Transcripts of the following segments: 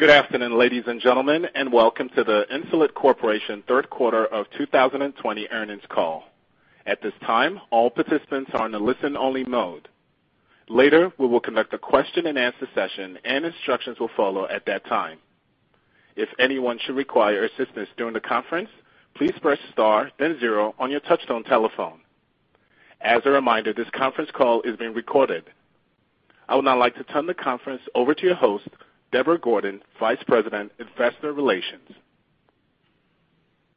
Good afternoon, ladies and gentlemen, and welcome to the Insulet Corporation Third Quarter of 2020 Earnings Call. At this time, all participants are in the listen-only mode. Later, we will conduct a question-and-answer session, and instructions will follow at that time. If anyone should require assistance during the conference, please press star, then zero, on your touch-tone telephone. As a reminder, this conference call is being recorded. I would now like to turn the conference over to your host, Deborah Gordon, Vice President, Investor Relations.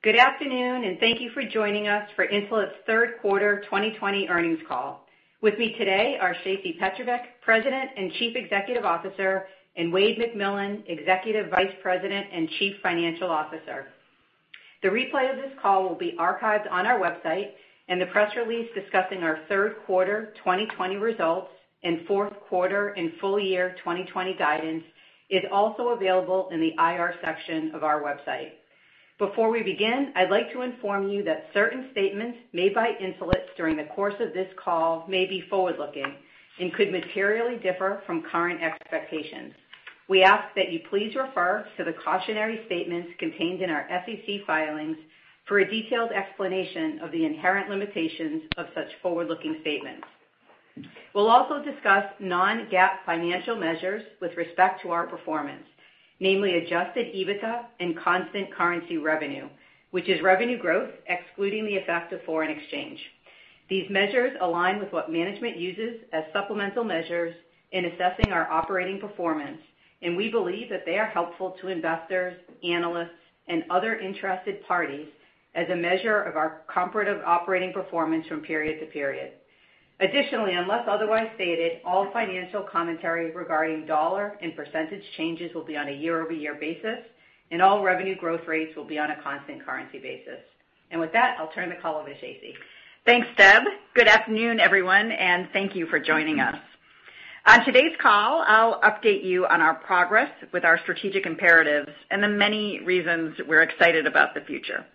Good afternoon, and thank you for joining us for Insulet's Third Quarter 2020 Earnings Call. With me today are Shacey Petrovic, President and Chief Executive Officer, and Wayde McMillan, Executive Vice President and Chief Financial Officer. The replay of this call will be archived on our website, and the press release discussing our third quarter 2020 results and fourth quarter and full year 2020 guidance is also available in the IR section of our website. Before we begin, I'd like to inform you that certain statements made by Insulet during the course of this call may be forward-looking and could materially differ from current expectations. We ask that you please refer to the cautionary statements contained in our SEC filings for a detailed explanation of the inherent limitations of such forward-looking statements. We'll also discuss non-GAAP financial measures with respect to our performance, namely Adjusted EBITDA and constant currency revenue, which is revenue growth excluding the effect of foreign exchange. These measures align with what management uses as supplemental measures in assessing our operating performance, and we believe that they are helpful to investors, analysts, and other interested parties as a measure of our comparative operating performance from period to period. Additionally, unless otherwise stated, all financial commentary regarding dollar and percentage changes will be on a year-over-year basis, and all revenue growth rates will be on a constant currency basis, and with that, I'll turn the call over to Shacey. Thanks, Deb. Good afternoon, everyone, and thank you for joining us. On today's call, I'll update you on our progress with our strategic imperatives and the many reasons we're excited about the future.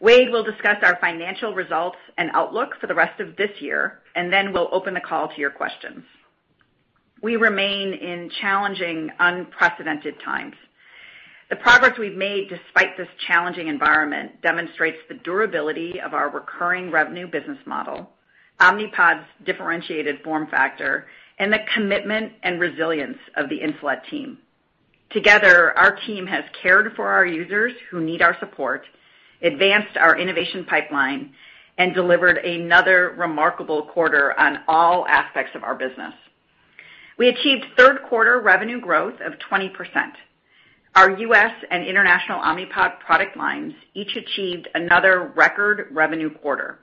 Wayde will discuss our financial results and outlook for the rest of this year, and then we'll open the call to your questions. We remain in challenging, unprecedented times. The progress we've made despite this challenging environment demonstrates the durability of our recurring revenue business model, Omnipod's differentiated form factor, and the commitment and resilience of the Insulet team. Together, our team has cared for our users who need our support, advanced our innovation pipeline, and delivered another remarkable quarter on all aspects of our business. We achieved third quarter revenue growth of 20%. Our U.S. and international Omnipod product lines each achieved another record revenue quarter.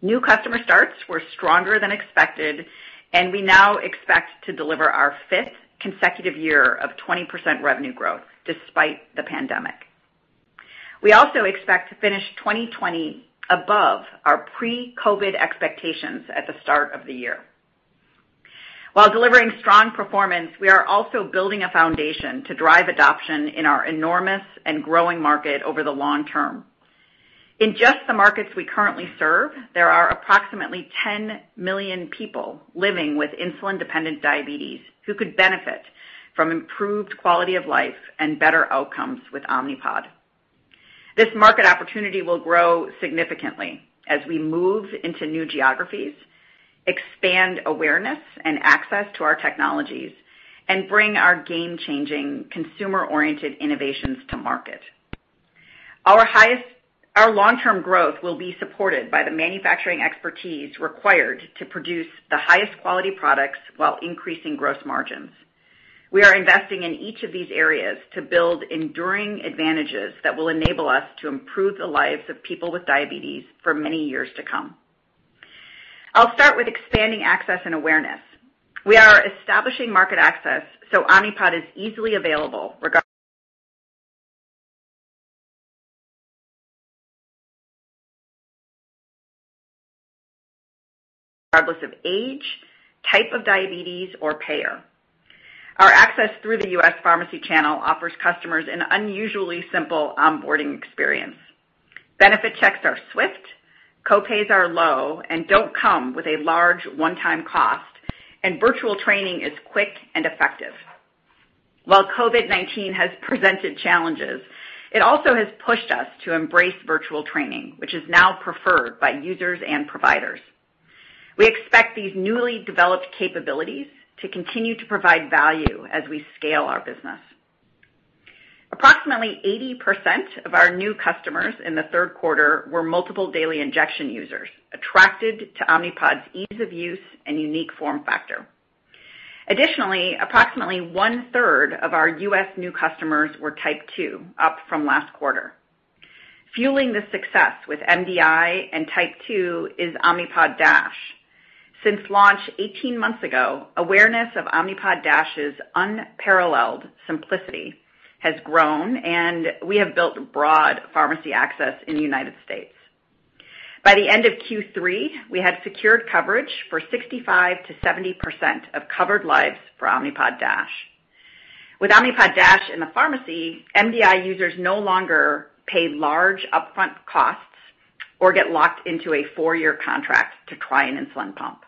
New customer starts were stronger than expected, and we now expect to deliver our fifth consecutive year of 20% revenue growth despite the pandemic. We also expect to finish 2020 above our pre-COVID expectations at the start of the year. While delivering strong performance, we are also building a foundation to drive adoption in our enormous and growing market over the long term. In just the markets we currently serve, there are approximately 10 million people living with insulin-dependent diabetes who could benefit from improved quality of life and better outcomes with Omnipod. This market opportunity will grow significantly as we move into new geographies, expand awareness and access to our technologies, and bring our game-changing, consumer-oriented innovations to market. Our long-term growth will be supported by the manufacturing expertise required to produce the highest quality products while increasing gross margins. We are investing in each of these areas to build enduring advantages that will enable us to improve the lives of people with diabetes for many years to come. I'll start with expanding access and awareness. We are establishing market access so Omnipod is easily available regardless of age, type of diabetes, or payer. Our access through the U.S. pharmacy channel offers customers an unusually simple onboarding experience. Benefit checks are swift, copays are low, and don't come with a large one-time cost, and virtual training is quick and effective. While COVID-19 has presented challenges, it also has pushed us to embrace virtual training, which is now preferred by users and providers. We expect these newly developed capabilities to continue to provide value as we scale our business. Approximately 80% of our new customers in the third quarter were multiple daily injection users, attracted to Omnipod's ease of use and unique form factor. Additionally, approximately one-third of our U.S. new customers were type 2, up from last quarter. Fueling the success with MDI and type 2 is Omnipod DASH. Since launch 18 months ago, awareness of Omnipod DASH's unparalleled simplicity has grown, and we have built broad pharmacy access in the United States. By the end of Q3, we had secured coverage for 65%-70% of covered lives for Omnipod DASH. With Omnipod DASH in the pharmacy, MDI users no longer pay large upfront costs or get locked into a four-year contract to try an insulin pump.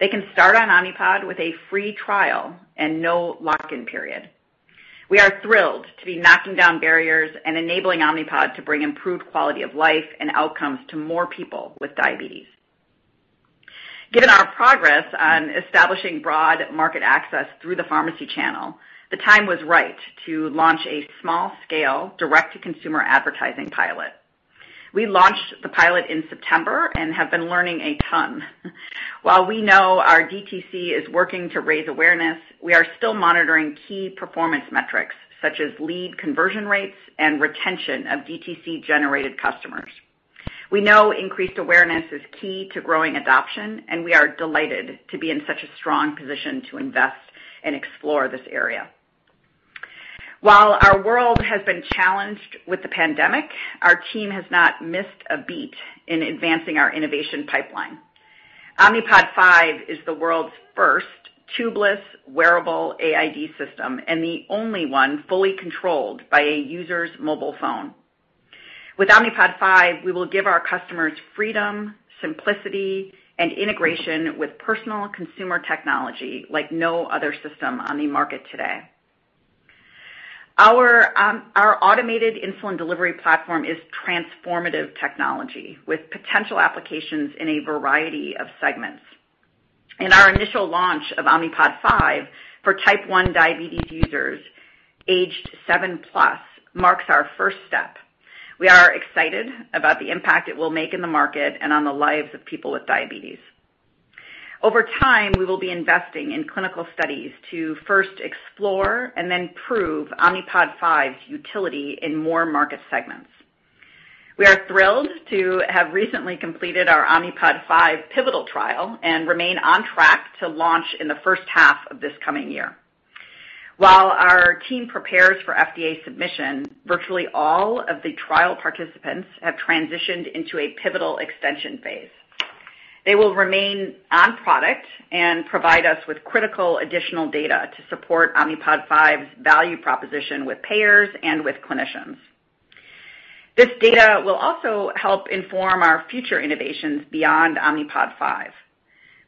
They can start on Omnipod with a free trial and no lock-in period. We are thrilled to be knocking down barriers and enabling Omnipod to bring improved quality of life and outcomes to more people with diabetes. Given our progress on establishing broad market access through the pharmacy channel, the time was right to launch a small-scale direct-to-consumer advertising pilot. We launched the pilot in September and have been learning a ton. While we know our DTC is working to raise awareness, we are still monitoring key performance metrics such as lead conversion rates and retention of DTC-generated customers. We know increased awareness is key to growing adoption, and we are delighted to be in such a strong position to invest and explore this area. While our world has been challenged with the pandemic, our team has not missed a beat in advancing our innovation pipeline. Omnipod 5 is the world's first tubeless, wearable AID system and the only one fully controlled by a user's mobile phone. With Omnipod 5, we will give our customers freedom, simplicity, and integration with personal consumer technology like no other system on the market today. Our automated insulin delivery platform is transformative technology with potential applications in a variety of segments. In our initial launch of Omnipod 5 for type 1 diabetes users aged seven plus marks our first step. We are excited about the impact it will make in the market and on the lives of people with diabetes. Over time, we will be investing in clinical studies to first explore and then prove Omnipod 5's utility in more market segments. We are thrilled to have recently completed our Omnipod 5 pivotal trial and remain on track to launch in the first half of this coming year. While our team prepares for FDA submission, virtually all of the trial participants have transitioned into a pivotal extension phase. They will remain on product and provide us with critical additional data to support Omnipod 5's value proposition with payers and with clinicians. This data will also help inform our future innovations beyond Omnipod 5.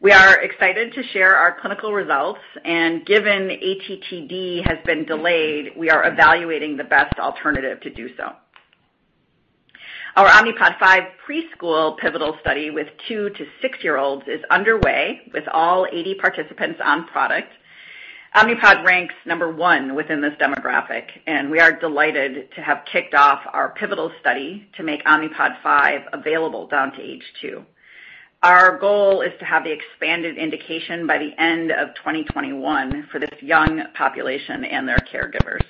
We are excited to share our clinical results, and given ATTD has been delayed, we are evaluating the best alternative to do so. Our Omnipod 5 preschool pivotal study with two to-six-year-olds is underway with all 80 participants on product. Omnipod ranks number one within this demographic, and we are delighted to have kicked off our pivotal study to make Omnipod 5 available down to age two. Our goal is to have the expanded indication by the end of 2021 for this young population and their caregivers.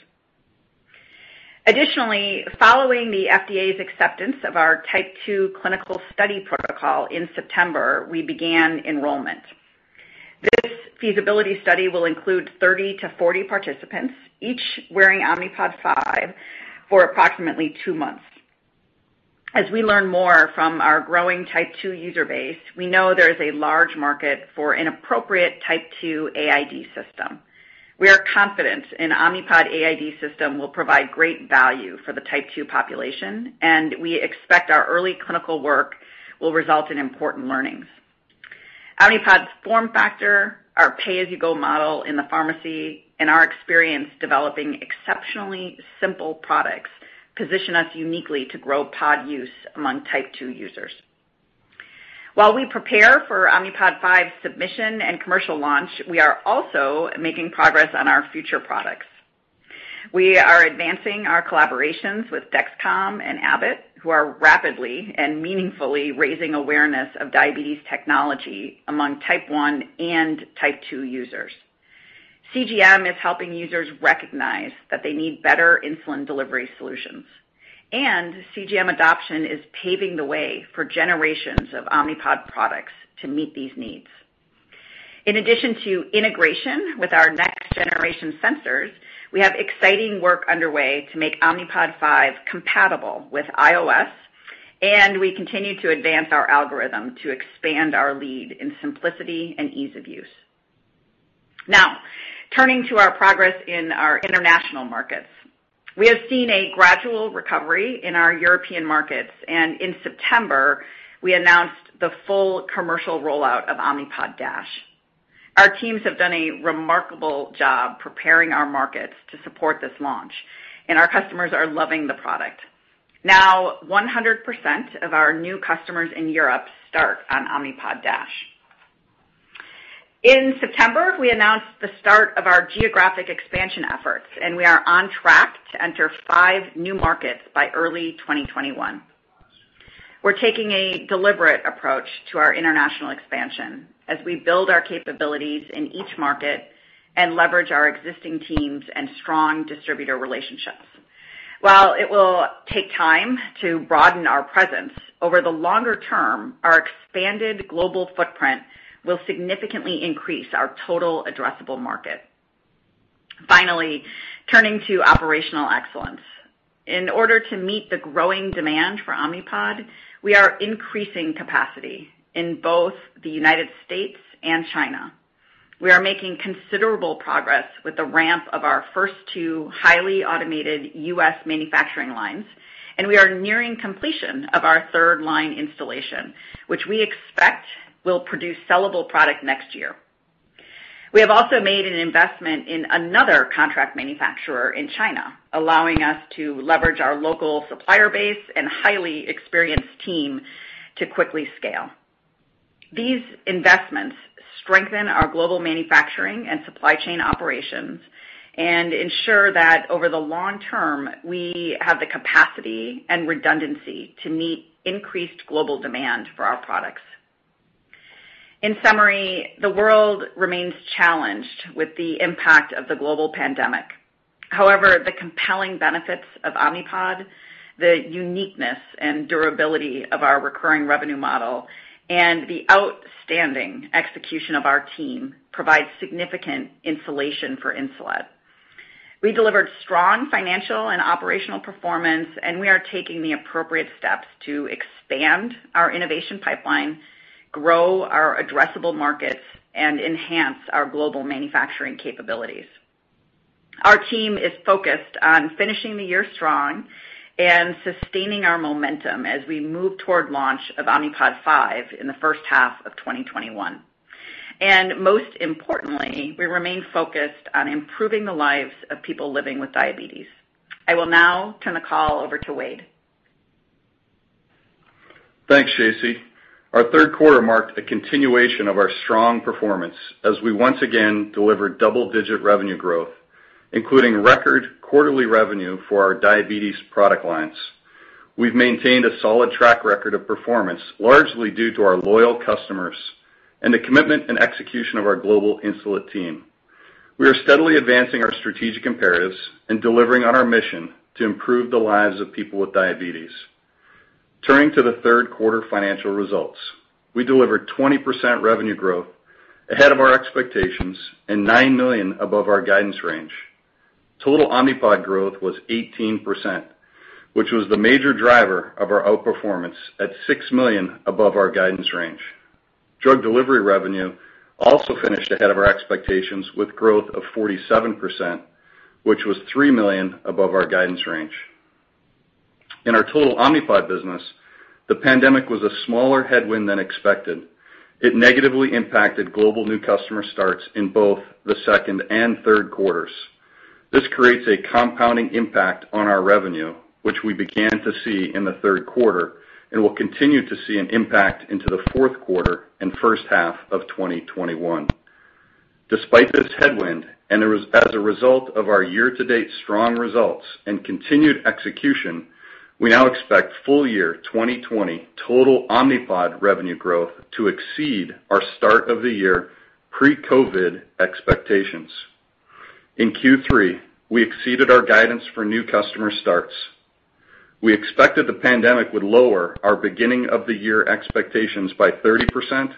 Additionally, following the FDA's acceptance of our type 2 clinical study protocol in September, we began enrollment. This feasibility study will include 30-40 participants, each wearing Omnipod 5, for approximately two months. As we learn more from our growing type 2 user base, we know there is a large market for an appropriate type 2 AID system. We are confident an Omnipod AID system will provide great value for the type 2 population, and we expect our early clinical work will result in important learnings. Omnipod's form factor, our pay-as-you-go model in the pharmacy, and our experience developing exceptionally simple products position us uniquely to grow pod use among type 2 users. While we prepare for Omnipod 5's submission and commercial launch, we are also making progress on our future products. We are advancing our collaborations with Dexcom and Abbott, who are rapidly and meaningfully raising awareness of diabetes technology among type 1 and type 2 users. CGM is helping users recognize that they need better insulin delivery solutions, and CGM adoption is paving the way for generations of Omnipod products to meet these needs. In addition to integration with our next-generation sensors, we have exciting work underway to make Omnipod 5 compatible with iOS, and we continue to advance our algorithm to expand our lead in simplicity and ease of use. Now, turning to our progress in our international markets, we have seen a gradual recovery in our European markets, and in September, we announced the full commercial rollout of Omnipod DASH. Our teams have done a remarkable job preparing our markets to support this launch, and our customers are loving the product. Now, 100% of our new customers in Europe start on Omnipod DASH. In September, we announced the start of our geographic expansion efforts, and we are on track to enter five new markets by early 2021. We're taking a deliberate approach to our international expansion as we build our capabilities in each market and leverage our existing teams and strong distributor relationships. While it will take time to broaden our presence, over the longer term, our expanded global footprint will significantly increase our total addressable market. Finally, turning to operational excellence. In order to meet the growing demand for Omnipod, we are increasing capacity in both the United States and China. We are making considerable progress with the ramp of our first two highly automated U.S. manufacturing lines, and we are nearing completion of our third line installation, which we expect will produce sellable product next year. We have also made an investment in another contract manufacturer in China, allowing us to leverage our local supplier base and highly experienced team to quickly scale. These investments strengthen our global manufacturing and supply chain operations and ensure that over the long term, we have the capacity and redundancy to meet increased global demand for our products. In summary, the world remains challenged with the impact of the global pandemic. However, the compelling benefits of Omnipod, the uniqueness and durability of our recurring revenue model, and the outstanding execution of our team provide significant insulation for Insulet. We delivered strong financial and operational performance, and we are taking the appropriate steps to expand our innovation pipeline, grow our addressable markets, and enhance our global manufacturing capabilities. Our team is focused on finishing the year strong and sustaining our momentum as we move toward launch of Omnipod 5 in the first half of 2021. And most importantly, we remain focused on improving the lives of people living with diabetes. I will now turn the call over to Wayde. Thanks, Shacey. Our third quarter marked a continuation of our strong performance as we once again delivered double-digit revenue growth, including record quarterly revenue for our diabetes product lines. We've maintained a solid track record of performance, largely due to our loyal customers and the commitment and execution of our global insulin team. We are steadily advancing our strategic imperatives and delivering on our mission to improve the lives of people with diabetes. Turning to the third quarter financial results, we delivered 20% revenue growth ahead of our expectations and $9 million above our guidance range. Total Omnipod growth was 18%, which was the major driver of our outperformance at $6 million above our guidance range. Drug delivery revenue also finished ahead of our expectations with growth of 47%, which was $3 million above our guidance range. In our total Omnipod business, the pandemic was a smaller headwind than expected. It negatively impacted global new customer starts in both the second and third quarters. This creates a compounding impact on our revenue, which we began to see in the third quarter and will continue to see an impact into the fourth quarter and first half of 2021. Despite this headwind, and as a result of our year-to-date strong results and continued execution, we now expect full year 2020 total Omnipod revenue growth to exceed our start of the year pre-COVID expectations. In Q3, we exceeded our guidance for new customer starts. We expected the pandemic would lower our beginning-of-the-year expectations by 30%-50%.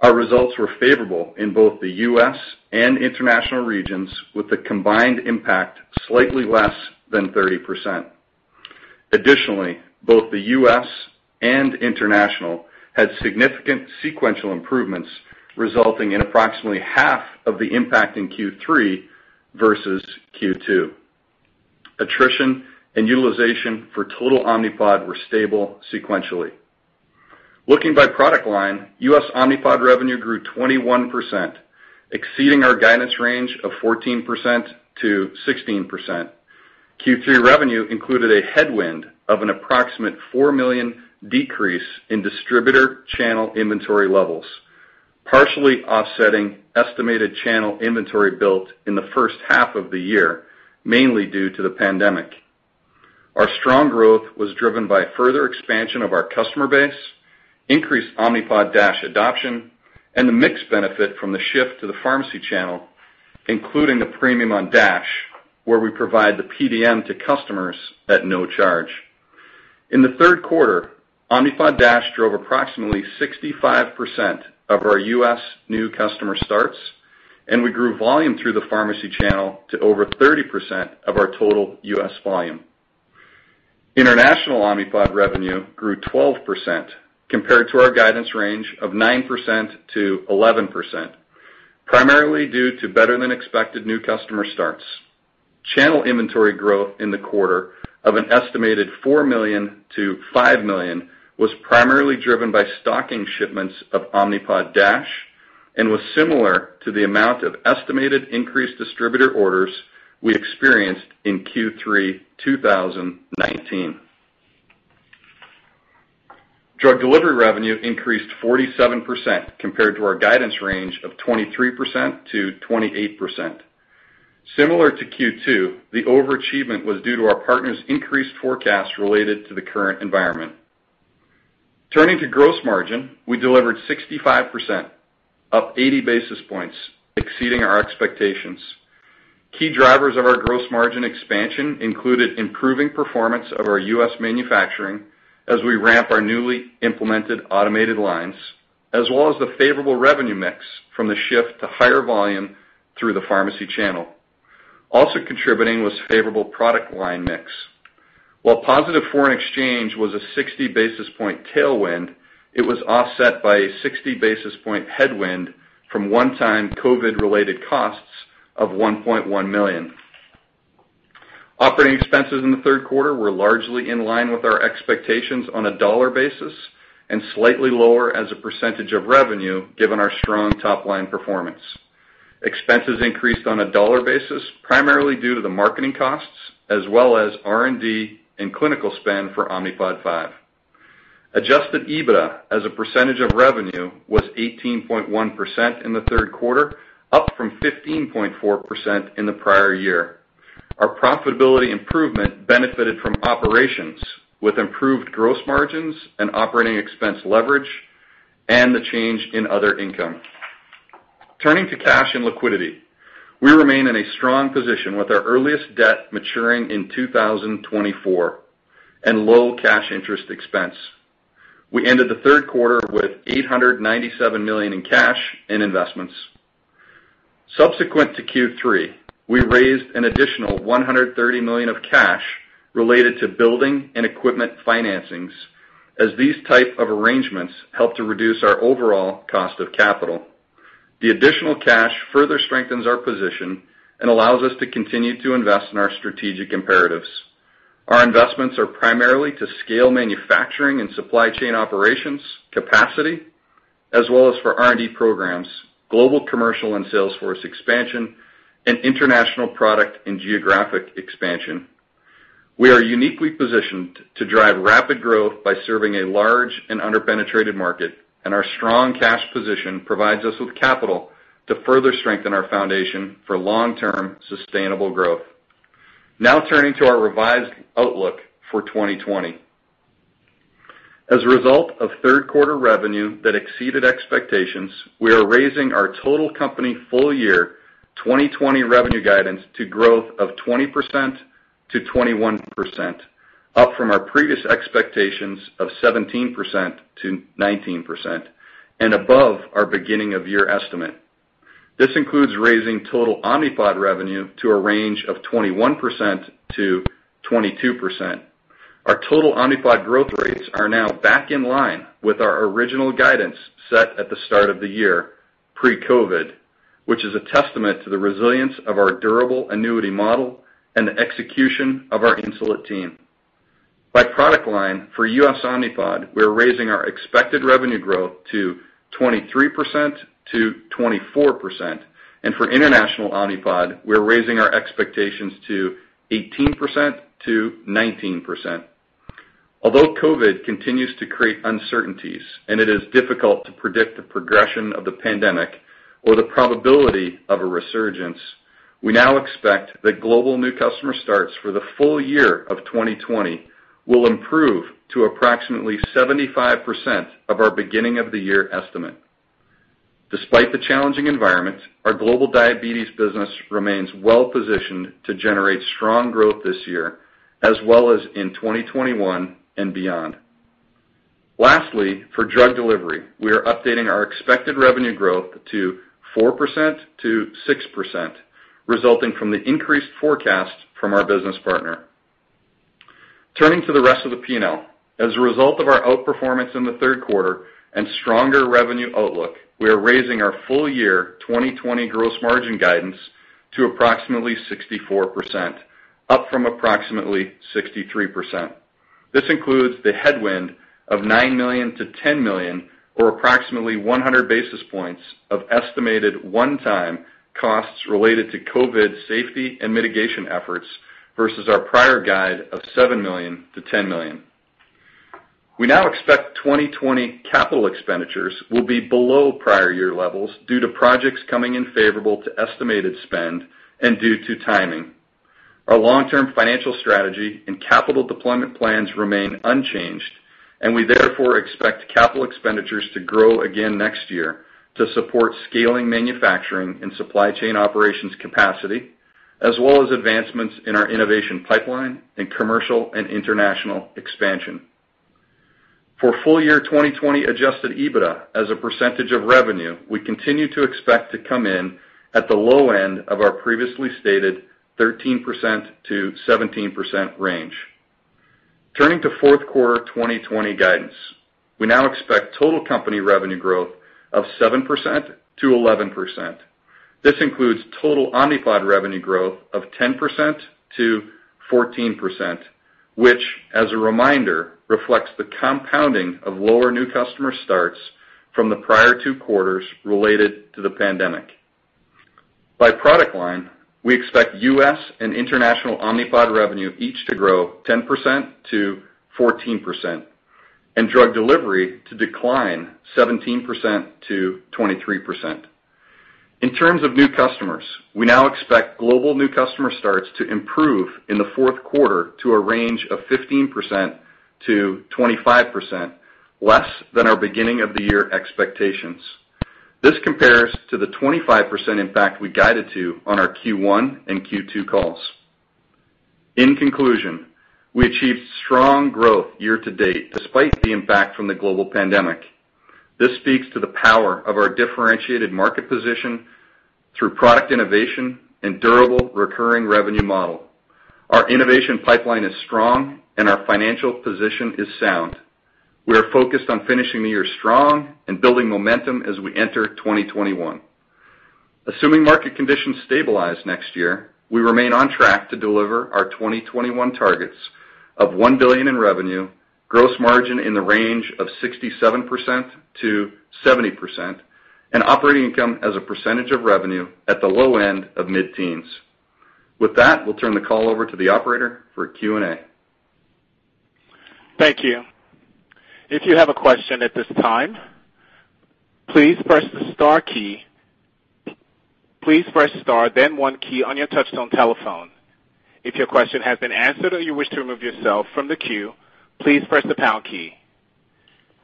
Our results were favorable in both the U.S. and international regions, with the combined impact slightly less than 30%. Additionally, both the U.S. and international had significant sequential improvements, resulting in approximately half of the impact in Q3 versus Q2. Attrition and utilization for total Omnipod were stable sequentially. Looking by product line, U.S. Omnipod revenue grew 21%, exceeding our guidance range of 14%-16%. Q3 revenue included a headwind of an approximate $4 million decrease in distributor channel inventory levels, partially offsetting estimated channel inventory built in the first half of the year, mainly due to the pandemic. Our strong growth was driven by further expansion of our customer base, increased Omnipod DASH adoption, and the mixed benefit from the shift to the pharmacy channel, including the premium on DASH, where we provide the PDM to customers at no charge. In the third quarter Omnipod DASH drove approximately 65% of our U.S. new customer starts, and we grew volume through the pharmacy channel to over 30% of our total U.S. volume. International Omnipod revenue grew 12% compared to our guidance range of 9%-11%, primarily due to better-than-expected new customer starts. Channel inventory growth in the quarter of an estimated $4 million-$5 million was primarily driven by stocking shipments of Omnipod DASH and was similar to the amount of estimated increased distributor orders we experienced in Q3 2019. Drug delivery revenue increased 47% compared to our guidance range of 23%-28%. Similar to Q2, the overachievement was due to our partners' increased forecasts related to the current environment. Turning to gross margin, we delivered 65%, up 80 basis points, exceeding our expectations. Key drivers of our gross margin expansion included improving performance of our U.S. manufacturing as we ramp our newly implemented automated lines, as well as the favorable revenue mix from the shift to higher volume through the pharmacy channel. Also contributing was favorable product line mix. While positive foreign exchange was a 60 basis point tailwind, it was offset by a 60 basis point headwind from one-time COVID-related costs of $1.1 million. Operating expenses in the third quarter were largely in line with our expectations on a dollar basis and slightly lower as a percentage of revenue given our strong top-line performance. Expenses increased on a dollar basis primarily due to the marketing costs as well as R&D and clinical spend for Omnipod 5. Adjusted EBITDA as a percentage of revenue was 18.1% in the third quarter, up from 15.4% in the prior year. Our profitability improvement benefited from operations with improved gross margins and operating expense leverage and the change in other income. Turning to cash and liquidity, we remain in a strong position with our earliest debt maturing in 2024 and low cash interest expense. We ended the third quarter with $897 million in cash and investments. Subsequent to Q3, we raised an additional $130 million of cash related to building and equipment financings as these types of arrangements help to reduce our overall cost of capital. The additional cash further strengthens our position and allows us to continue to invest in our strategic imperatives. Our investments are primarily to scale manufacturing and supply chain operations, capacity, as well as for R&D programs, global commercial and salesforce expansion, and international product and geographic expansion. We are uniquely positioned to drive rapid growth by serving a large and under-penetrated market, and our strong cash position provides us with capital to further strengthen our foundation for long-term sustainable growth. Now turning to our revised outlook for 2020. As a result of third quarter revenue that exceeded expectations, we are raising our total company full year 2020 revenue guidance to growth of 20%-21%, up from our previous expectations of 17%-19% and above our beginning-of-year estimate. This includes raising total Omnipod revenue to a range of 21%-22%. Our total Omnipod growth rates are now back in line with our original guidance set at the start of the year pre-COVID, which is a testament to the resilience of our durable annuity model and the execution of our insulin team. By product line, for U.S. Omnipod, we are raising our expected revenue growth to 23%-24%, and for international Omnipod, we are raising our expectations to 18%-19%. Although COVID continues to create uncertainties and it is difficult to predict the progression of the pandemic or the probability of a resurgence, we now expect that global new customer starts for the full year of 2020 will improve to approximately 75% of our beginning-of-the-year estimate. Despite the challenging environment, our global diabetes business remains well-positioned to generate strong growth this year, as well as in 2021 and beyond. Lastly, for drug delivery, we are updating our expected revenue growth to 4%-6%, resulting from the increased forecast from our business partner. Turning to the rest of the P&L, as a result of our outperformance in the third quarter and stronger revenue outlook, we are raising our full year 2020 gross margin guidance to approximately 64%, up from approximately 63%. This includes the headwind of $9 million-$10 million, or approximately 100 basis points of estimated one-time costs related to COVID safety and mitigation efforts versus our prior guide of $7 million-$10 million. We now expect 2020 capital expenditures will be below prior year levels due to projects coming in favorable to estimated spend and due to timing. Our long-term financial strategy and capital deployment plans remain unchanged, and we therefore expect capital expenditures to grow again next year to support scaling manufacturing and supply chain operations capacity, as well as advancements in our innovation pipeline and commercial and international expansion. For full year 2020 Adjusted EBITDA as a percentage of revenue, we continue to expect to come in at the low end of our previously stated 13%-17% range. Turning to fourth quarter 2020 guidance, we now expect total company revenue growth of 7%-11%. This includes total Omnipod revenue growth of 10%-14%, which, as a reminder, reflects the compounding of lower new customer starts from the prior two quarters related to the pandemic. By product line, we expect U.S. and international Omnipod revenue each to grow 10%-14% and drug delivery to decline 17%-23%. In terms of new customers, we now expect global new customer starts to improve in the fourth quarter to a range of 15%-25%, less than our beginning-of-the-year expectations. This compares to the 25% impact we guided to on our Q1 and Q2 calls. In conclusion, we achieved strong growth year-to-date despite the impact from the global pandemic. This speaks to the power of our differentiated market position through product innovation and durable recurring revenue model. Our innovation pipeline is strong, and our financial position is sound. We are focused on finishing the year strong and building momentum as we enter 2021. Assuming market conditions stabilize next year, we remain on track to deliver our 2021 targets of $1 billion in revenue, gross margin in the range of 67%-70%, and operating income as a percentage of revenue at the low end of mid-teens. With that, we'll turn the call over to the operator for Q&A. Thank you. If you have a question at this time, please press the star key. Please press star, then one key on your touch-tone telephone. If your question has been answered or you wish to remove yourself from the queue, please press the pound key.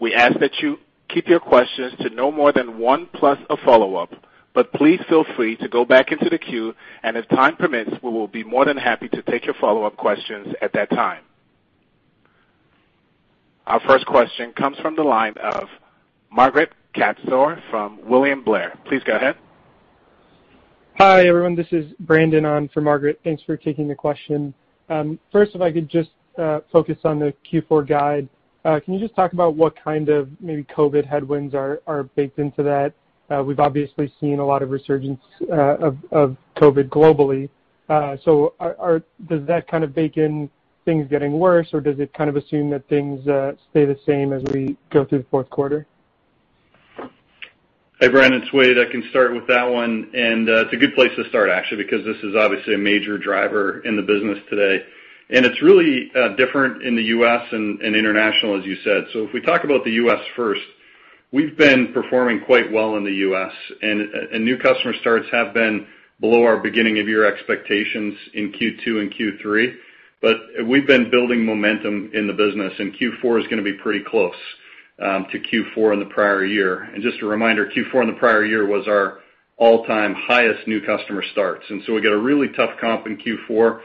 We ask that you keep your questions to no more than one plus a follow-up, but please feel free to go back into the queue, and if time permits, we will be more than happy to take your follow-up questions at that time. Our first question comes from the line of Margaret Kaczor from William Blair. Please go ahead. Hi, everyone. This is Brandon on for Margaret. Thanks for taking the question. First, if I could just focus on the Q4 guide, can you just talk about what kind of maybe COVID headwinds are baked into that? We've obviously seen a lot of resurgence of COVID globally. So does that kind of bake in things getting worse, or does it kind of assume that things stay the same as we go through the fourth quarter? Hey, Brandon it's Wayde. I can start with that one, and it's a good place to start, actually, because this is obviously a major driver in the business today, and it's really different in the U.S. and international, as you said, so if we talk about the U.S. first, we've been performing quite well in the U.S., and new customer starts have been below our beginning-of-year expectations in Q2 and Q3, but we've been building momentum in the business, and Q4 is going to be pretty close to Q4 in the prior year, and just a reminder, Q4 in the prior year was our all-time highest new customer starts, and so we got a really tough comp in Q4,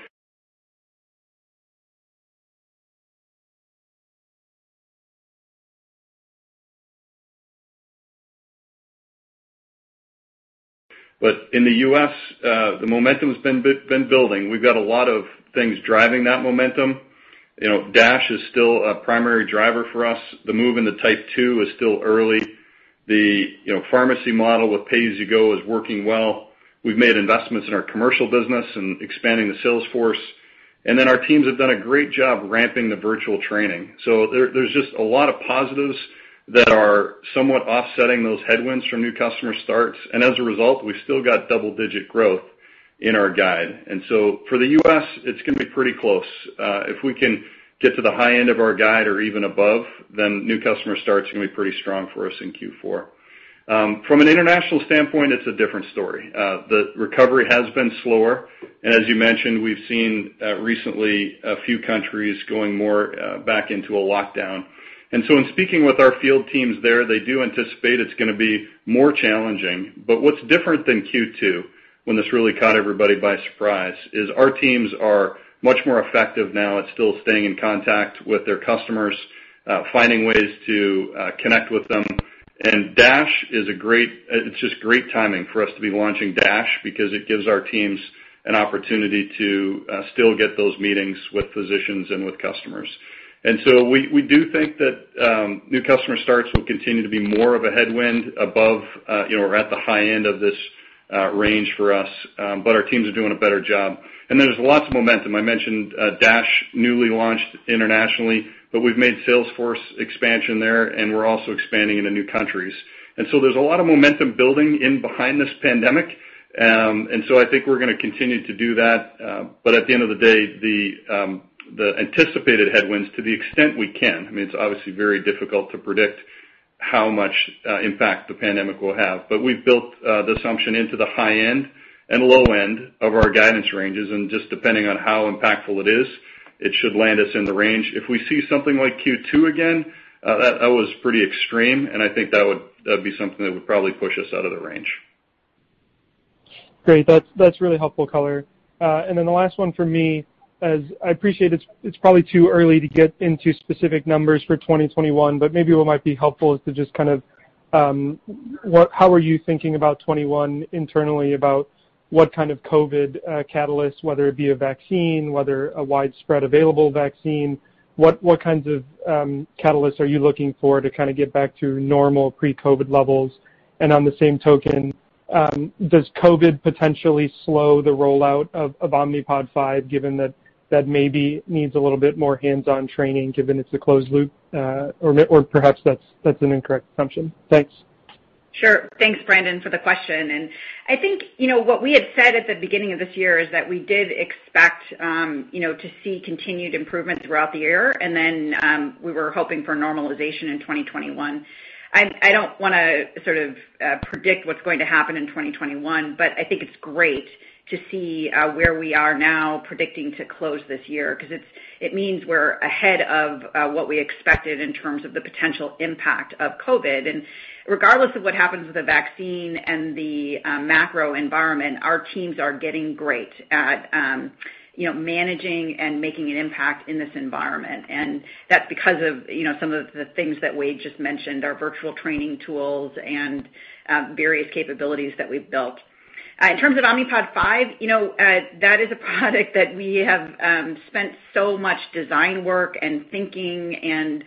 but in the U.S., the momentum has been building. We've got a lot of things driving that momentum. DASH is still a primary driver for us. The move into type 2 is still early. The pharmacy model with pay-as-you-go is working well. We've made investments in our commercial business and expanding the sales force, and then our teams have done a great job ramping the virtual training, so there's just a lot of positives that are somewhat offsetting those headwinds from new customer starts, and as a result, we've still got double-digit growth in our guide, and so for the U.S., it's going to be pretty close. If we can get to the high end of our guide or even above, then new customer starts are going to be pretty strong for us in Q4. From an international standpoint, it's a different story. The recovery has been slower, and as you mentioned, we've seen recently a few countries going more back into a lockdown. And so in speaking with our field teams there, they do anticipate it's going to be more challenging. But what's different than Q2, when this really caught everybody by surprise, is our teams are much more effective now at still staying in contact with their customers, finding ways to connect with them. And DASH is a great. It's just great timing for us to be launching DASH because it gives our teams an opportunity to still get those meetings with physicians and with customers. And so we do think that new customer starts will continue to be more of a headwind above or at the high end of this range for us. But our teams are doing a better job. And there's lots of momentum. I mentioned DASH newly launched internationally, but we've made sales force expansion there, and we're also expanding into new countries. And so there's a lot of momentum building behind this pandemic. And so I think we're going to continue to do that. But at the end of the day, the anticipated headwinds, to the extent we can, I mean, it's obviously very difficult to predict how much impact the pandemic will have, but we've built the assumption into the high end and low end of our guidance ranges. And just depending on how impactful it is, it should land us in the range. If we see something like Q2 again, that was pretty extreme, and I think that would be something that would probably push us out of the range. Great. That's really helpful, color. And then the last one for me is I appreciate it's probably too early to get into specific numbers for 2021, but maybe what might be helpful is to just kind of how are you thinking about '21 internally, about what kind of COVID catalyst, whether it be a vaccine, whether a widespread available vaccine? What kinds of catalysts are you looking for to kind of get back to normal pre-COVID levels? And on the same token, does COVID potentially slow the rollout of Omnipod 5, given that that maybe needs a little bit more hands-on training, given it's a closed loop? Or perhaps that's an incorrect assumption. Thanks. Sure. Thanks, Brandon, for the question. And I think what we had said at the beginning of this year is that we did expect to see continued improvement throughout the year, and then we were hoping for normalization in 2021. I don't want to sort of predict what's going to happen in 2021, but I think it's great to see where we are now predicting to close this year because it means we're ahead of what we expected in terms of the potential impact of COVID. And regardless of what happens with the vaccine and the macro environment, our teams are getting great at managing and making an impact in this environment. And that's because of some of the things that Wayde just mentioned, our virtual training tools and various capabilities that we've built. In terms of Omnipod 5, that is a product that we have spent so much design work and thinking and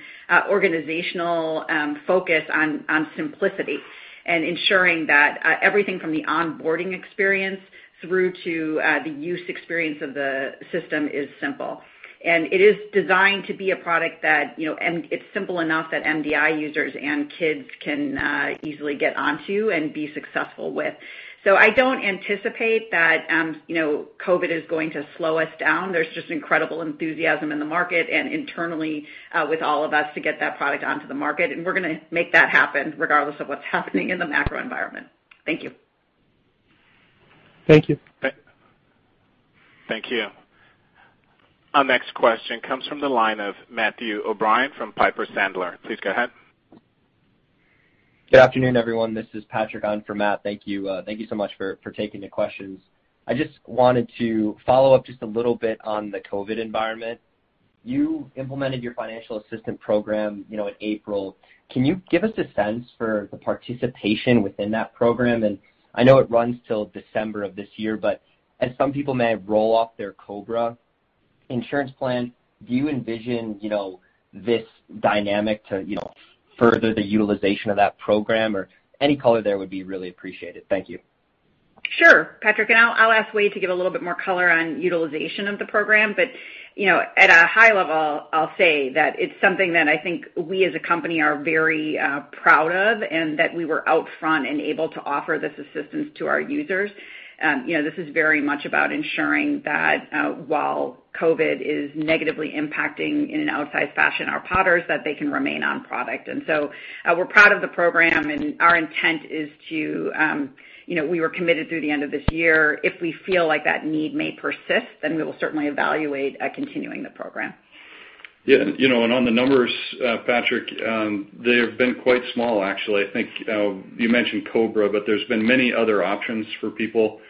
organizational focus on simplicity and ensuring that everything from the onboarding experience through to the use experience of the system is simple. And it is designed to be a product that it's simple enough that MDI users and kids can easily get onto and be successful with. So I don't anticipate that COVID is going to slow us down. There's just incredible enthusiasm in the market and internally with all of us to get that product onto the market. And we're going to make that happen regardless of what's happening in the macro environment. Thank you. Thank you. Thank you. Our next question comes from the line of Matthew O'Brien from Piper Sandler. Please go ahead. Good afternoon, everyone. This is Patrick on for Matt. Thank you so much for taking the questions. I just wanted to follow up just a little bit on the COVID environment. You implemented your financial assistant program in April. Can you give us a sense for the participation within that program? And I know it runs till December of this year, but as some people may roll off their COBRA insurance plan, do you envision this dynamic to further the utilization of that program? Or any color there would be really appreciated. Thank you. Sure, Patrick, and I'll ask Wayde to give a little bit more color on utilization of the program, but at a high level, I'll say that it's something that I think we as a company are very proud of and that we were out front and able to offer this assistance to our users. This is very much about ensuring that while COVID is negatively impacting in an outsized fashion our podders, that they can remain on product, and so we're proud of the program, and our intent is to, we were committed through the end of this year. If we feel like that need may persist, then we will certainly evaluate continuing the program. Yeah. And on the numbers, Patrick, they have been quite small, actually. I think you mentioned COBRA, but there's been many other options for people,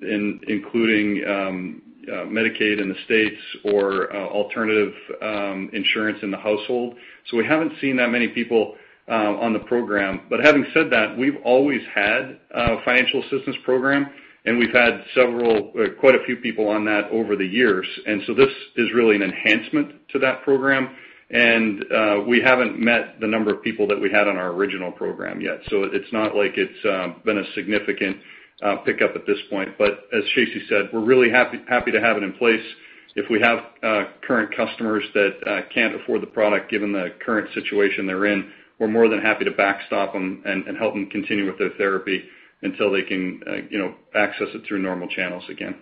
including Medicaid in the States or alternative insurance in the household, so we haven't seen that many people on the program, but having said that, we've always had a financial assistance program, and we've had quite a few people on that over the years, and so this is really an enhancement to that program, and we haven't met the number of people that we had on our original program yet, so it's not like it's been a significant pickup at this point, but as Shacey said, we're really happy to have it in place. If we have current customers that can't afford the product, given the current situation they're in, we're more than happy to backstop them and help them continue with their therapy until they can access it through normal channels again.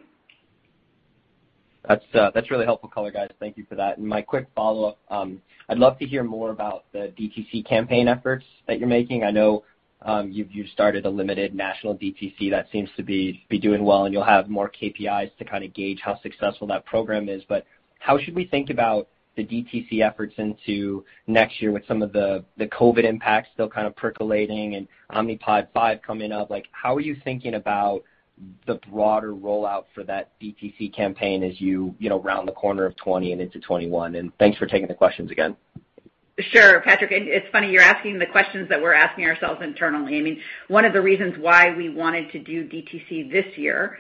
That's really helpful, color, guys. Thank you for that. And my quick follow-up, I'd love to hear more about the DTC campaign efforts that you're making. I know you've started a limited national DTC that seems to be doing well, and you'll have more KPIs to kind of gauge how successful that program is. But how should we think about the DTC efforts into next year with some of the COVID impacts still kind of percolating and Omnipod 5 coming up? How are you thinking about the broader rollout for that DTC campaign as you round the corner of 2020 and into 2021? And thanks for taking the questions again. Sure, Patrick. And it's funny, you're asking the questions that we're asking ourselves internally. I mean, one of the reasons why we wanted to do DTC this year,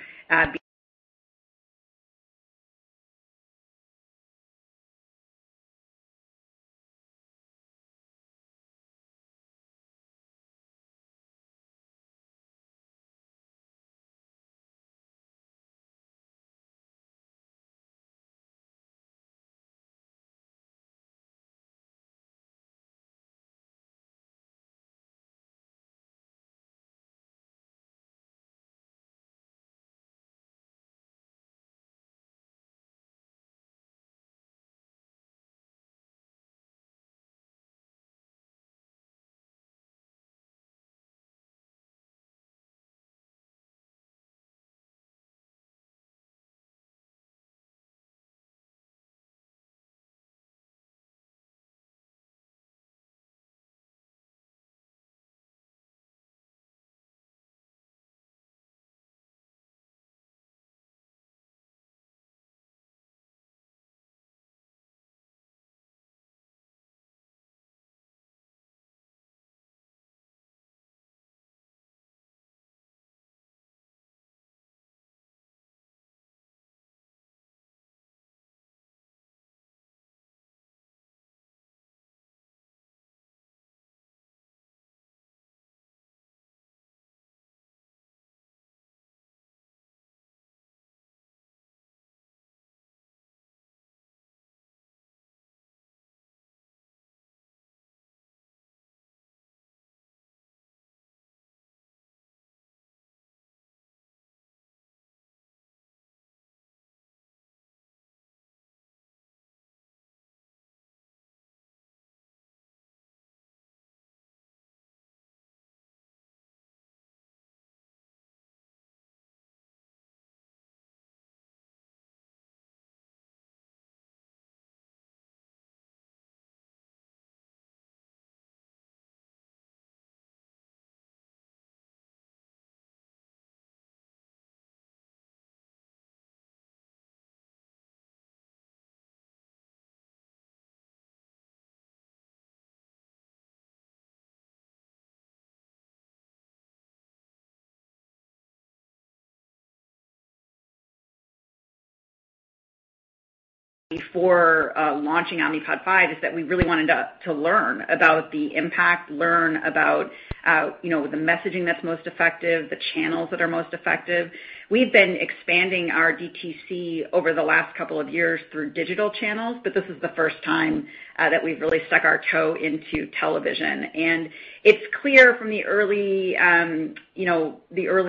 before launching Omnipod 5, is that we really wanted to learn about the impact, learn about the messaging that's most effective, the channels that are most effective. We've been expanding our DTC over the last couple of years through digital channels, but this is the first time that we've really stuck our toe into television. And it's clear from the early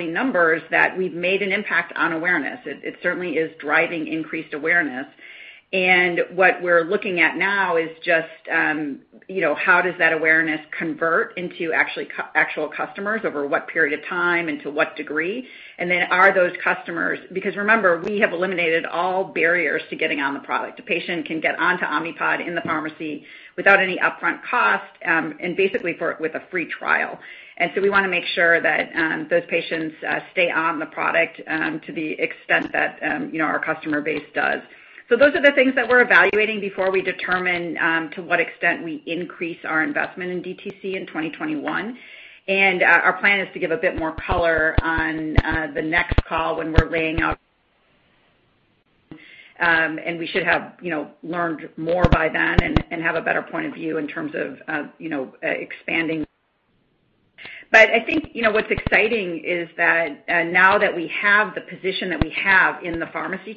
numbers that we've made an impact on awareness. It certainly is driving increased awareness. And what we're looking at now is just how does that awareness convert into actual customers over what period of time and to what degree? And then are those customers, because remember, we have eliminated all barriers to getting on the product. A patient can get onto Omnipod in the pharmacy without any upfront cost and basically with a free trial, and so we want to make sure that those patients stay on the product to the extent that our customer base does, so those are the things that we're evaluating before we determine to what extent we increase our investment in DTC in 2021, and our plan is to give a bit more color on the next call when we're laying out, and we should have learned more by then and have a better point of view in terms of expanding, but I think what's exciting is that now that we have the position that we have in the pharmacy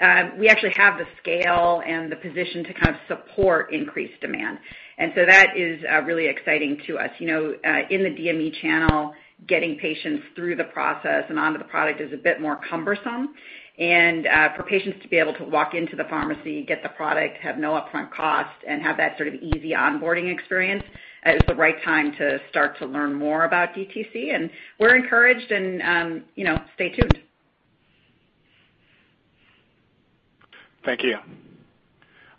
channel, we actually have the scale and the position to kind of support increased demand, and so that is really exciting to us. In the DME channel, getting patients through the process and onto the product is a bit more cumbersome. And for patients to be able to walk into the pharmacy, get the product, have no upfront cost, and have that sort of easy onboarding experience, it's the right time to start to learn more about DTC. And we're encouraged, and stay tuned. Thank you.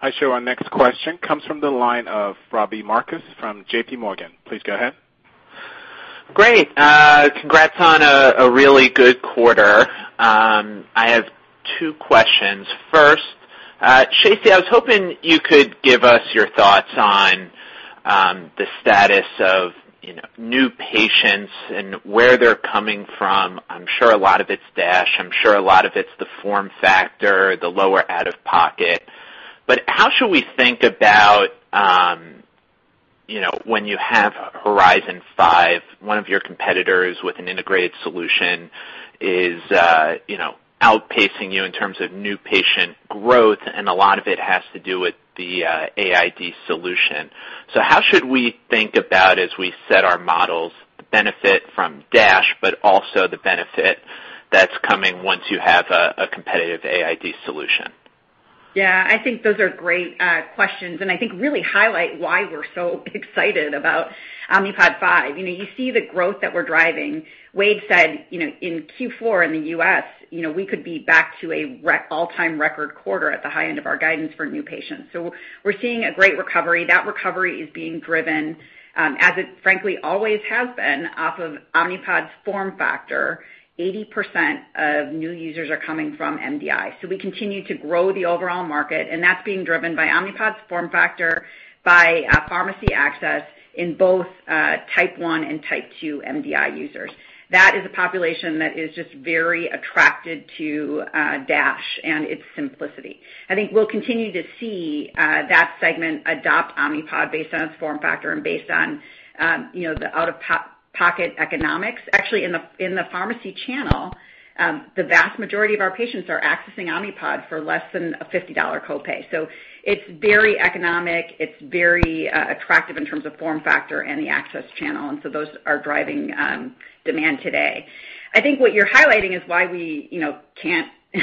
I show our next question comes from the line of Robbie Marcus from J.P. Morgan. Please go ahead. Great. Congrats on a really good quarter. I have two questions. First, Shacey, I was hoping you could give us your thoughts on the status of new patients and where they're coming from. I'm sure a lot of it's DASH. I'm sure a lot of it's the form factor, the lower out-of-pocket. But how should we think about when you have Horizon 5, one of your competitors with an integrated solution, is outpacing you in terms of new patient growth, and a lot of it has to do with the AID solution? So how should we think about, as we set our models, the benefit from DASH, but also the benefit that's coming once you have a competitive AID solution? Yeah. I think those are great questions, and I think really highlight why we're so excited about Omnipod 5. You see the growth that we're driving. Wayde said in Q4 in the U.S., we could be back to an all-time record quarter at the high end of our guidance for new patients, so we're seeing a great recovery. That recovery is being driven, as it frankly always has been, off of Omnipod's form factor. 80% of new users are coming from MDI, so we continue to grow the overall market, and that's being driven by Omnipod's form factor, by pharmacy access in both type 1 and type 2 MDI users. That is a population that is just very attracted to DASH and its simplicity. I think we'll continue to see that segment adopt Omnipod based on its form factor and based on the out-of-pocket economics. Actually, in the pharmacy channel, the vast majority of our patients are accessing Omnipod for less than a $50 copay. So it's very economic. It's very attractive in terms of form factor and the access channel. And so those are driving demand today. I think what you're highlighting is why we can't -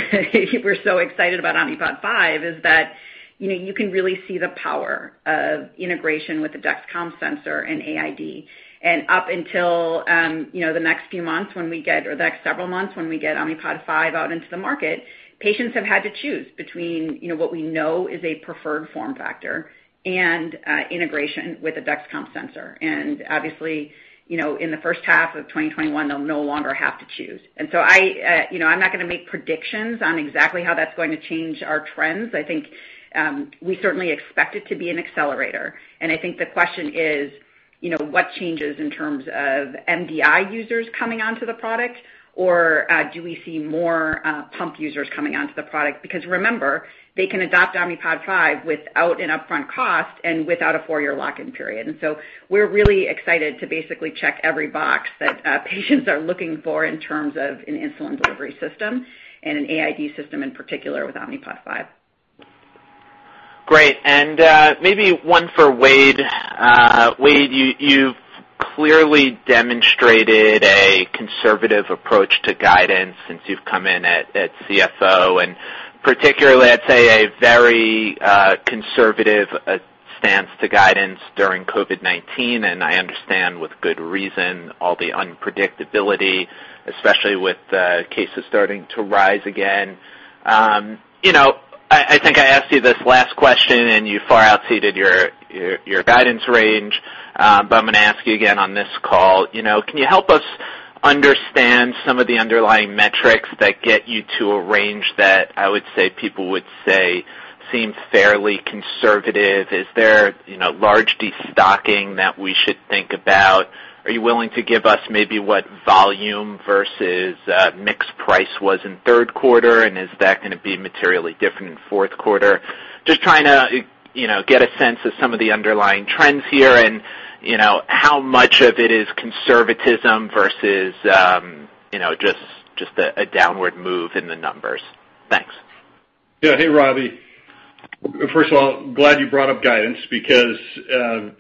we're so excited about Omnipod 5 - is that you can really see the power of integration with the Dexcom sensor and AID. And up until the next few months when we get - or the next several months when we get Omnipod 5 out into the market, patients have had to choose between what we know is a preferred form factor and integration with a Dexcom sensor. And obviously, in the first half of 2021, they'll no longer have to choose. And so I'm not going to make predictions on exactly how that's going to change our trends. I think we certainly expect it to be an accelerator. And I think the question is, what changes in terms of MDI users coming onto the product, or do we see more pump users coming onto the product? Because remember, they can adopt Omnipod 5 without an upfront cost and without a four-year lock-in period. And so we're really excited to basically check every box that patients are looking for in terms of an insulin delivery system and an AID system in particular with Omnipod 5. Great. And maybe one for Wayde. Wayde, you've clearly demonstrated a conservative approach to guidance since you've come in at CFO, and particularly, I'd say, a very conservative stance to guidance during COVID-19. And I understand with good reason all the unpredictability, especially with cases starting to rise again. I think I asked you this last question, and you far outpaced your guidance range. But I'm going to ask you again on this call. Can you help us understand some of the underlying metrics that get you to a range that I would say people would say seems fairly conservative? Is there large destocking that we should think about? Are you willing to give us maybe what volume versus mix, price was in third quarter? And is that going to be materially different in fourth quarter? Just trying to get a sense of some of the underlying trends here and how much of it is conservatism versus just a downward move in the numbers. Thanks. Yeah. Hey, Robbie. First of all, glad you brought up guidance because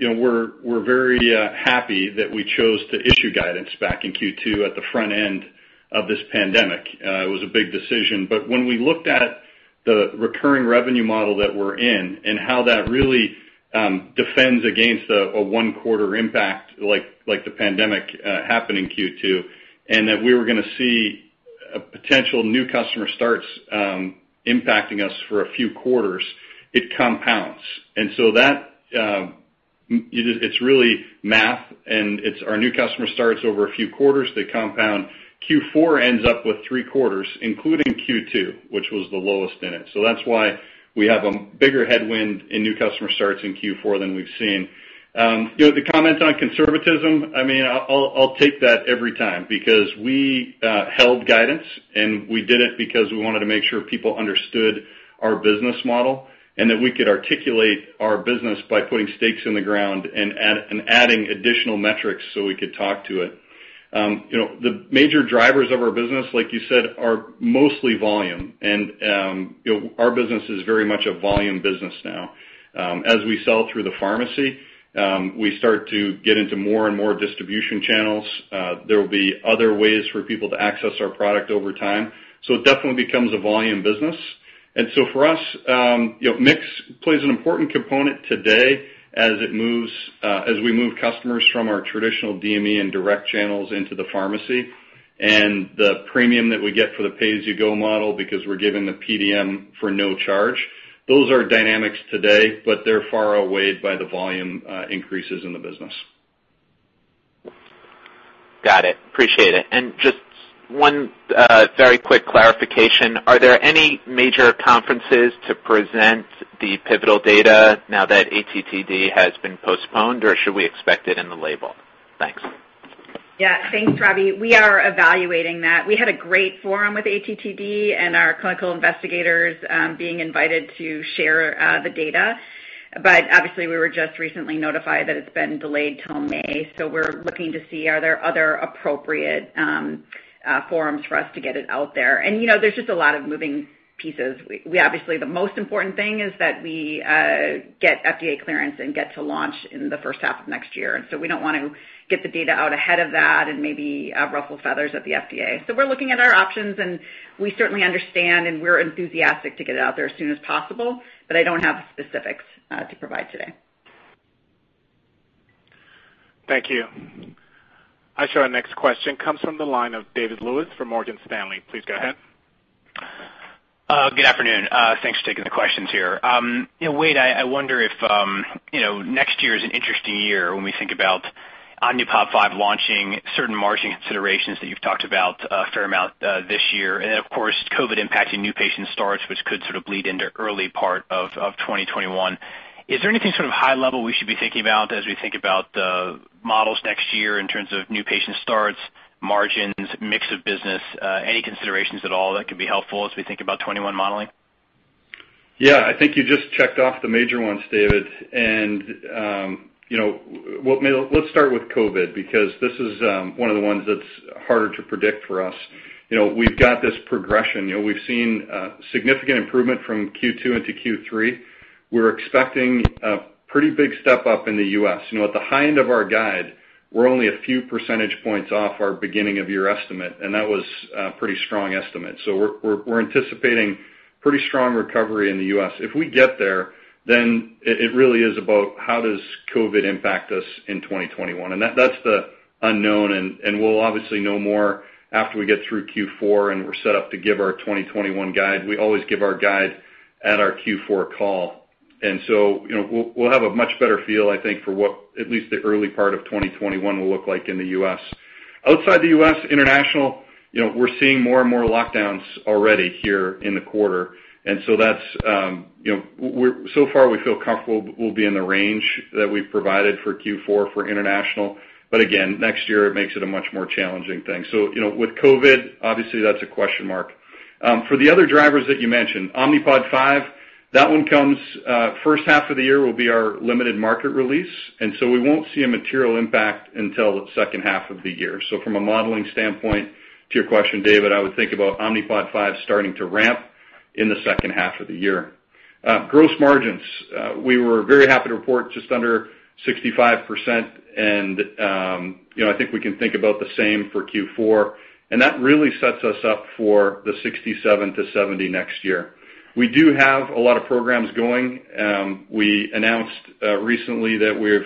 we're very happy that we chose to issue guidance back in Q2 at the front end of this pandemic. It was a big decision, but when we looked at the recurring revenue model that we're in and how that really defends against a one-quarter impact like the pandemic happened in Q2, and that we were going to see potential new customer starts impacting us for a few quarters, it compounds, and so it's really math, and it's our new customer starts over a few quarters. They compound. Q4 ends up with three quarters, including Q2, which was the lowest in it, so that's why we have a bigger headwind in new customer starts in Q4 than we've seen. The comments on conservatism, I mean, I'll take that every time because we held guidance, and we did it because we wanted to make sure people understood our business model and that we could articulate our business by putting stakes in the ground and adding additional metrics so we could talk to it. The major drivers of our business, like you said, are mostly volume, and our business is very much a volume business now. As we sell through the pharmacy, we start to get into more and more distribution channels. There will be other ways for people to access our product over time, so it definitely becomes a volume business. And so for us, mix plays an important component today as we move customers from our traditional DME and direct channels into the pharmacy and the premium that we get for the pay-as-you-go model because we're given the PDM for no charge. Those are dynamics today, but they're far outweighed by the volume increases in the business. Got it. Appreciate it. And just one very quick clarification. Are there any major conferences to present the pivotal data now that ATTD has been postponed, or should we expect it in the label? Thanks. Yeah. Thanks, Robbie. We are evaluating that. We had a great forum with ATTD and our clinical investigators being invited to share the data. But obviously, we were just recently notified that it's been delayed till May. So we're looking to see are there other appropriate forums for us to get it out there. And there's just a lot of moving pieces. Obviously, the most important thing is that we get FDA clearance and get to launch in the first half of next year. And so we don't want to get the data out ahead of that and maybe ruffle feathers at the FDA. So we're looking at our options, and we certainly understand, and we're enthusiastic to get it out there as soon as possible. But I don't have specifics to provide today. Thank you. I show our next question comes from the line of David Lewis from Morgan Stanley. Please go ahead. Good afternoon. Thanks for taking the questions here. Wayde, I wonder if next year is an interesting year when we think about Omnipod 5 launching, certain margin considerations that you've talked about a fair amount this year. And then, of course, COVID impacting new patient starts, which could sort of bleed into early part of 2021. Is there anything sort of high level we should be thinking about as we think about the models next year in terms of new patient starts, margins, mix of business, any considerations at all that could be helpful as we think about 2021 modeling? Yeah. I think you just checked off the major ones, David, and let's start with COVID because this is one of the ones that's harder to predict for us. We've got this progression. We've seen significant improvement from Q2 into Q3. We're expecting a pretty big step up in the U.S. At the high end of our guide, we're only a few percentage points off our beginning of year estimate, and that was a pretty strong estimate, so we're anticipating pretty strong recovery in the U.S. If we get there, then it really is about how does COVID impact us in 2021?, and that's the unknown, and we'll obviously know more after we get through Q4, and we're set up to give our 2021 guide. We always give our guide at our Q4 call. And so we'll have a much better feel, I think, for what at least the early part of 2021 will look like in the U.S. Outside the U.S., international, we're seeing more and more lockdowns already here in the quarter. And so that's so far, we feel comfortable we'll be in the range that we've provided for Q4 for international. But again, next year, it makes it a much more challenging thing. So with COVID, obviously, that's a question mark. For the other drivers that you mentioned, Omnipod 5, that one comes first half of the year will be our limited market release. And so we won't see a material impact until the second half of the year. So from a modeling standpoint, to your question, David, I would think about Omnipod 5 starting to ramp in the second half of the year. Gross margins, we were very happy to report just under 65%, and I think we can think about the same for Q4, and that really sets us up for the 67%-70% next year. We do have a lot of programs going. We announced recently that we've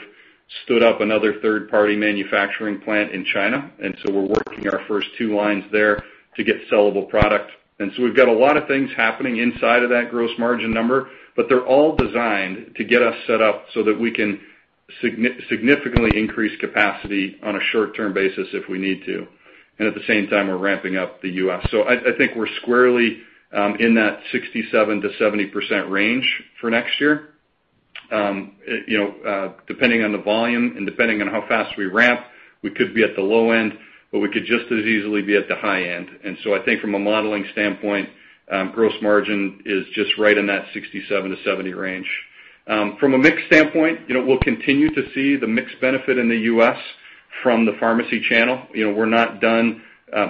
stood up another third-party manufacturing plant in China, and so we're working our first two lines there to get sellable product, and so we've got a lot of things happening inside of that gross margin number, but they're all designed to get us set up so that we can significantly increase capacity on a short-term basis if we need to, and at the same time, we're ramping up the U.S., so I think we're squarely in that 67%-70% range for next year. Depending on the volume and depending on how fast we ramp, we could be at the low end, but we could just as easily be at the high end. And so I think from a modeling standpoint, gross margin is just right in that 67%-70% range. From a mix standpoint, we'll continue to see the mixed benefit in the U.S. from the pharmacy channel. We're not done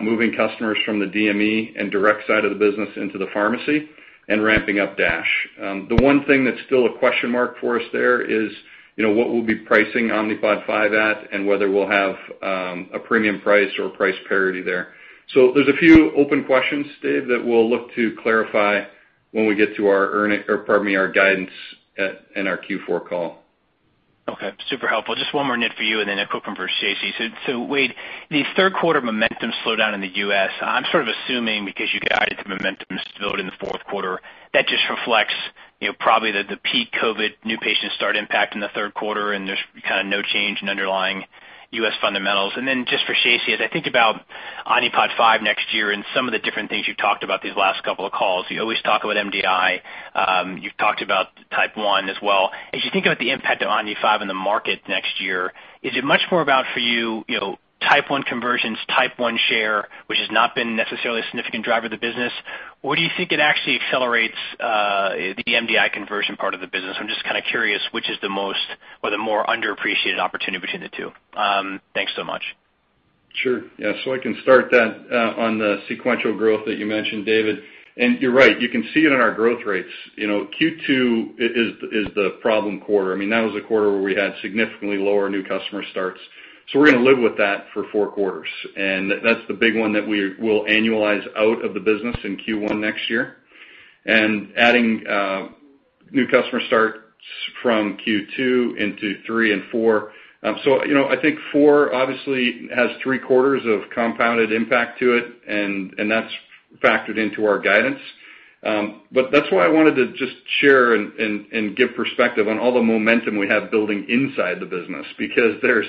moving customers from the DME and direct side of the business into the pharmacy and ramping up DASH. The one thing that's still a question mark for us there is what we'll be pricing Omnipod 5 at and whether we'll have a premium price or price parity there. So there's a few open questions, Dave, that we'll look to clarify when we get to our guidance and our Q4 call. Okay. Super helpful. Just one more note for you and then a quick one for Shacey. So Wayde, the third quarter momentum slowed down in the U.S. I'm sort of assuming because you guided the momentum still in the fourth quarter. That just reflects probably the peak COVID new patient start impact in the third quarter, and there's kind of no change in underlying U.S. fundamentals. And then just for Shacey, as I think about Omnipod 5 next year and some of the different things you've talked about these last couple of calls, you always talk about MDI. You've talked about type 1 as well. As you think about the impact of Omnipod 5 in the market next year, is it much more about for you type 1 conversions, type 1 share, which has not been necessarily a significant driver of the business? Or do you think it actually accelerates the MDI conversion part of the business? I'm just kind of curious which is the most or the more underappreciated opportunity between the two? Thanks so much. Sure. Yeah. So I can start that on the sequential growth that you mentioned, David. And you're right. You can see it in our growth rates. Q2 is the problem quarter. I mean, that was a quarter where we had significantly lower new customer starts. So we're going to live with that for four quarters. And that's the big one that we will annualize out of the business in Q1 next year. And adding new customer starts from Q2 into Q3 and Q4. So I think Q4 obviously has three quarters of compounded impact to it, and that's factored into our guidance. But that's why I wanted to just share and give perspective on all the momentum we have building inside the business because there's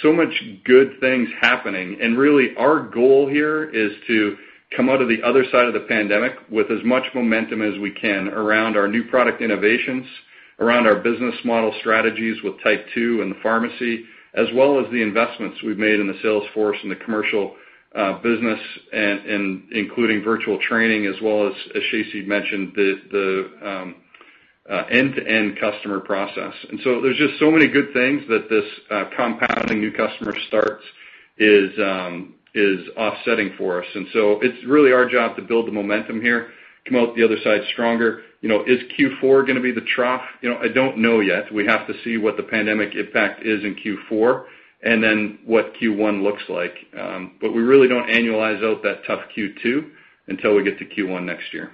so much good things happening. And really, our goal here is to come out of the other side of the pandemic with as much momentum as we can around our new product innovations, around our business model strategies with type 2 and the pharmacy, as well as the investments we've made in the salesforce and the commercial business, including virtual training, as well as, as Shacey mentioned, the end-to-end customer process. And so there's just so many good things that this compounding new customer starts is offsetting for us. And so it's really our job to build the momentum here, come out the other side stronger. Is Q4 going to be the trough? I don't know yet. We have to see what the pandemic impact is in Q4 and then what Q1 looks like. But we really don't annualize out that tough Q2 until we get to Q1 next year.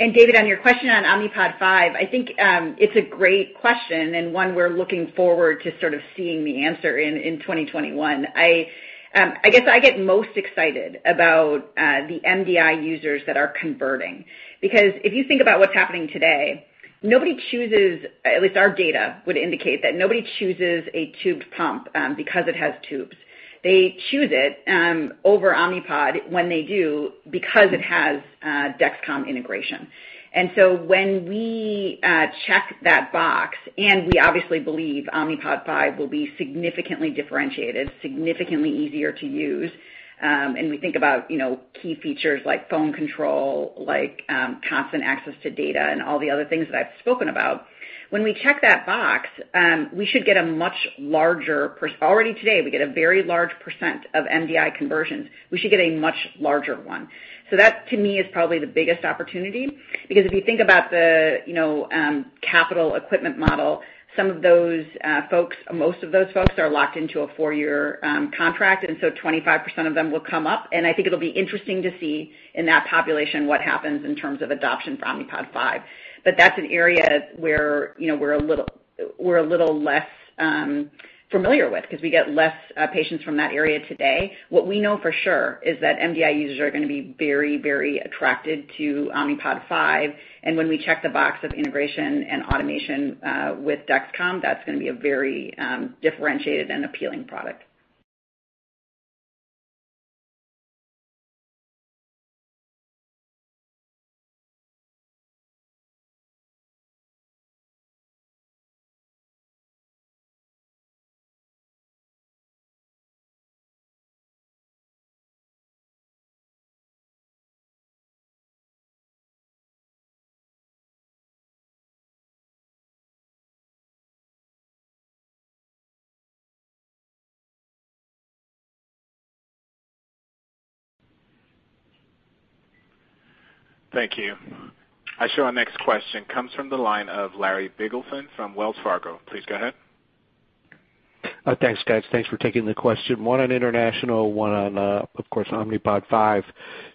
and David, on your question on Omnipod 5, I think it's a great question and one we're looking forward to sort of seeing the answer in 2021. I guess I get most excited about the MDI users that are converting because if you think about what's happening today, nobody chooses, at least our data would indicate that nobody chooses a tube pump because it has tubes. They choose it over Omnipod when they do because it has Dexcom integration. And so when we check that box, and we obviously believe Omnipod 5 will be significantly differentiated, significantly easier to use, and we think about key features like phone control, like constant access to data, and all the other things that I've spoken about, when we check that box, we should get a much larger already today, we get a very large % of MDI conversions. We should get a much larger one, so that, to me, is probably the biggest opportunity because if you think about the capital equipment model, some of those folks, most of those folks are locked into a four-year contract, and so 25% of them will come up, and I think it'll be interesting to see in that population what happens in terms of adoption for Omnipod 5, but that's an area where we're a little less familiar with because we get less patients from that area today. What we know for sure is that MDI users are going to be very, very attracted to Omnipod 5, and when we check the box of integration and automation with Dexcom, that's going to be a very differentiated and appealing product. Thank you. I show our next question comes from the line of Larry Biegelsen from Wells Fargo. Please go ahead. Thanks, guys. Thanks for taking the question. One on international, one on, of course, Omnipod 5.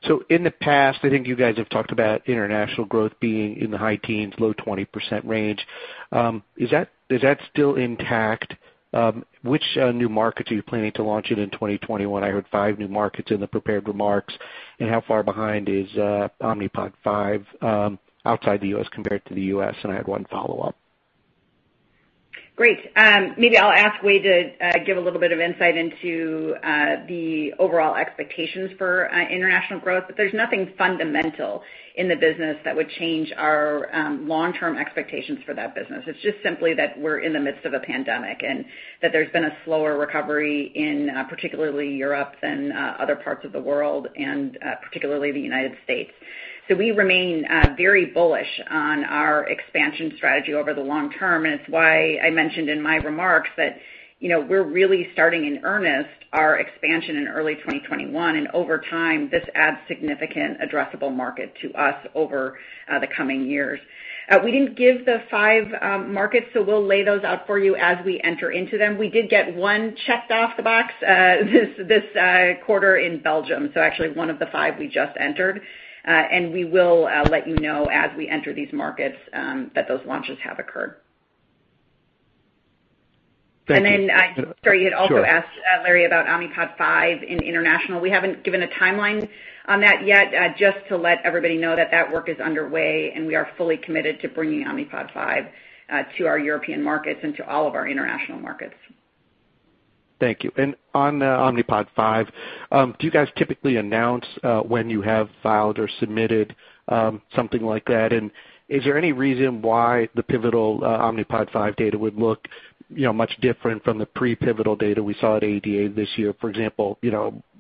So in the past, I think you guys have talked about international growth being in the high teens, low 20% range. Is that still intact? Which new markets are you planning to launch in in 2021? I heard five new markets in the prepared remarks. And how far behind is Omnipod 5 outside the U.S. compared to the U.S.? And I had one follow-up. Great. Maybe I'll ask Wayde to give a little bit of insight into the overall expectations for international growth, but there's nothing fundamental in the business that would change our long-term expectations for that business. It's just simply that we're in the midst of a pandemic and that there's been a slower recovery in particularly Europe than other parts of the world and particularly the United States, so we remain very bullish on our expansion strategy over the long term, and it's why I mentioned in my remarks that we're really starting in earnest our expansion in early 2021, and over time, this adds significant addressable market to us over the coming years. We didn't give the five markets, so we'll lay those out for you as we enter into them. We did get one checked off the box this quarter in Belgium. Actually, one of the five we just entered. We will let you know as we enter these markets that those launches have occurred. Thank you. And then I'm sorry, you had also asked Larry about Omnipod 5 in international. We haven't given a timeline on that yet, just to let everybody know that that work is underway, and we are fully committed to bringing Omnipod 5 to our European markets and to all of our international markets. Thank you. And on Omnipod 5, do you guys typically announce when you have filed or submitted something like that? And is there any reason why the pivotal Omnipod 5 data would look much different from the pre-pivotal data we saw at ADA this year? For example,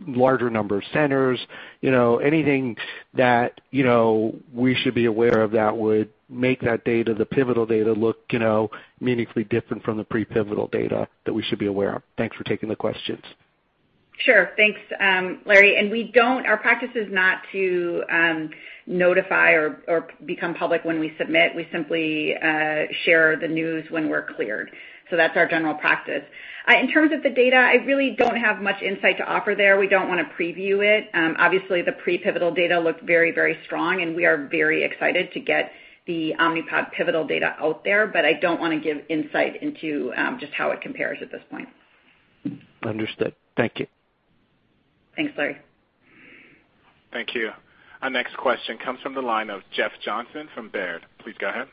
larger number of centers, anything that we should be aware of that would make that data, the pivotal data, look meaningfully different from the pre-pivotal data that we should be aware of? Thanks for taking the questions. Sure. Thanks, Larry. And our practice is not to notify or become public when we submit. We simply share the news when we're cleared. So that's our general practice. In terms of the data, I really don't have much insight to offer there. We don't want to preview it. Obviously, the pre-pivotal data looked very, very strong, and we are very excited to get the Omnipod pivotal data out there. But I don't want to give insight into just how it compares at this point. Understood. Thank you. Thanks, Larry. Thank you. Our next question comes from the line of Jeff Johnson from Baird. Please go ahead.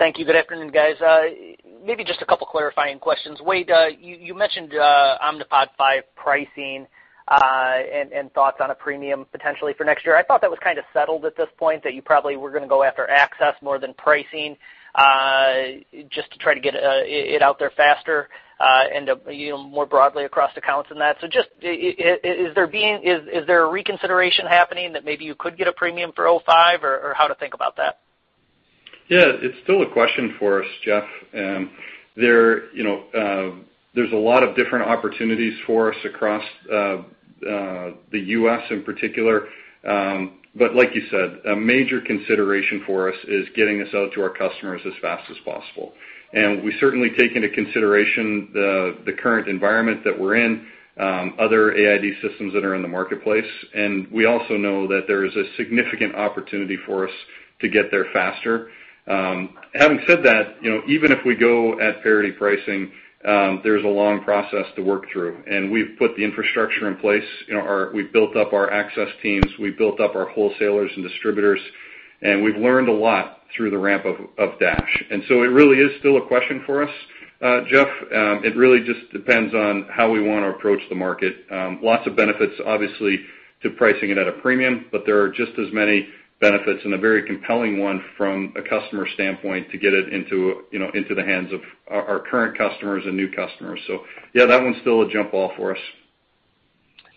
Thank you. Good afternoon, guys. Maybe just a couple of clarifying questions. Wayde, you mentioned Omnipod 5 pricing and thoughts on a premium potentially for next year. I thought that was kind of settled at this point, that you probably were going to go after access more than pricing just to try to get it out there faster and more broadly across accounts than that. So just is there a reconsideration happening that maybe you could get a premium for '05, or how to think about that? Yeah. It's still a question for us, Jeff. There's a lot of different opportunities for us across the U.S. in particular. But like you said, a major consideration for us is getting this out to our customers as fast as possible. And we certainly take into consideration the current environment that we're in, other AID systems that are in the marketplace. And we also know that there is a significant opportunity for us to get there faster. Having said that, even if we go at parity pricing, there's a long process to work through. And we've put the infrastructure in place. We've built up our access teams. We've built up our wholesalers and distributors. And we've learned a lot through the ramp of DASH. And so it really is still a question for us, Jeff. It really just depends on how we want to approach the market. Lots of benefits, obviously, to pricing it at a premium, but there are just as many benefits and a very compelling one from a customer standpoint to get it into the hands of our current customers and new customers. So yeah, that one's still a juggle for us.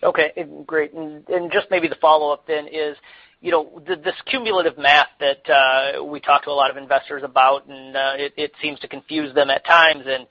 Okay. Great. And just maybe the follow-up then is this cumulative math that we talk to a lot of investors about, and it seems to confuse them at times. And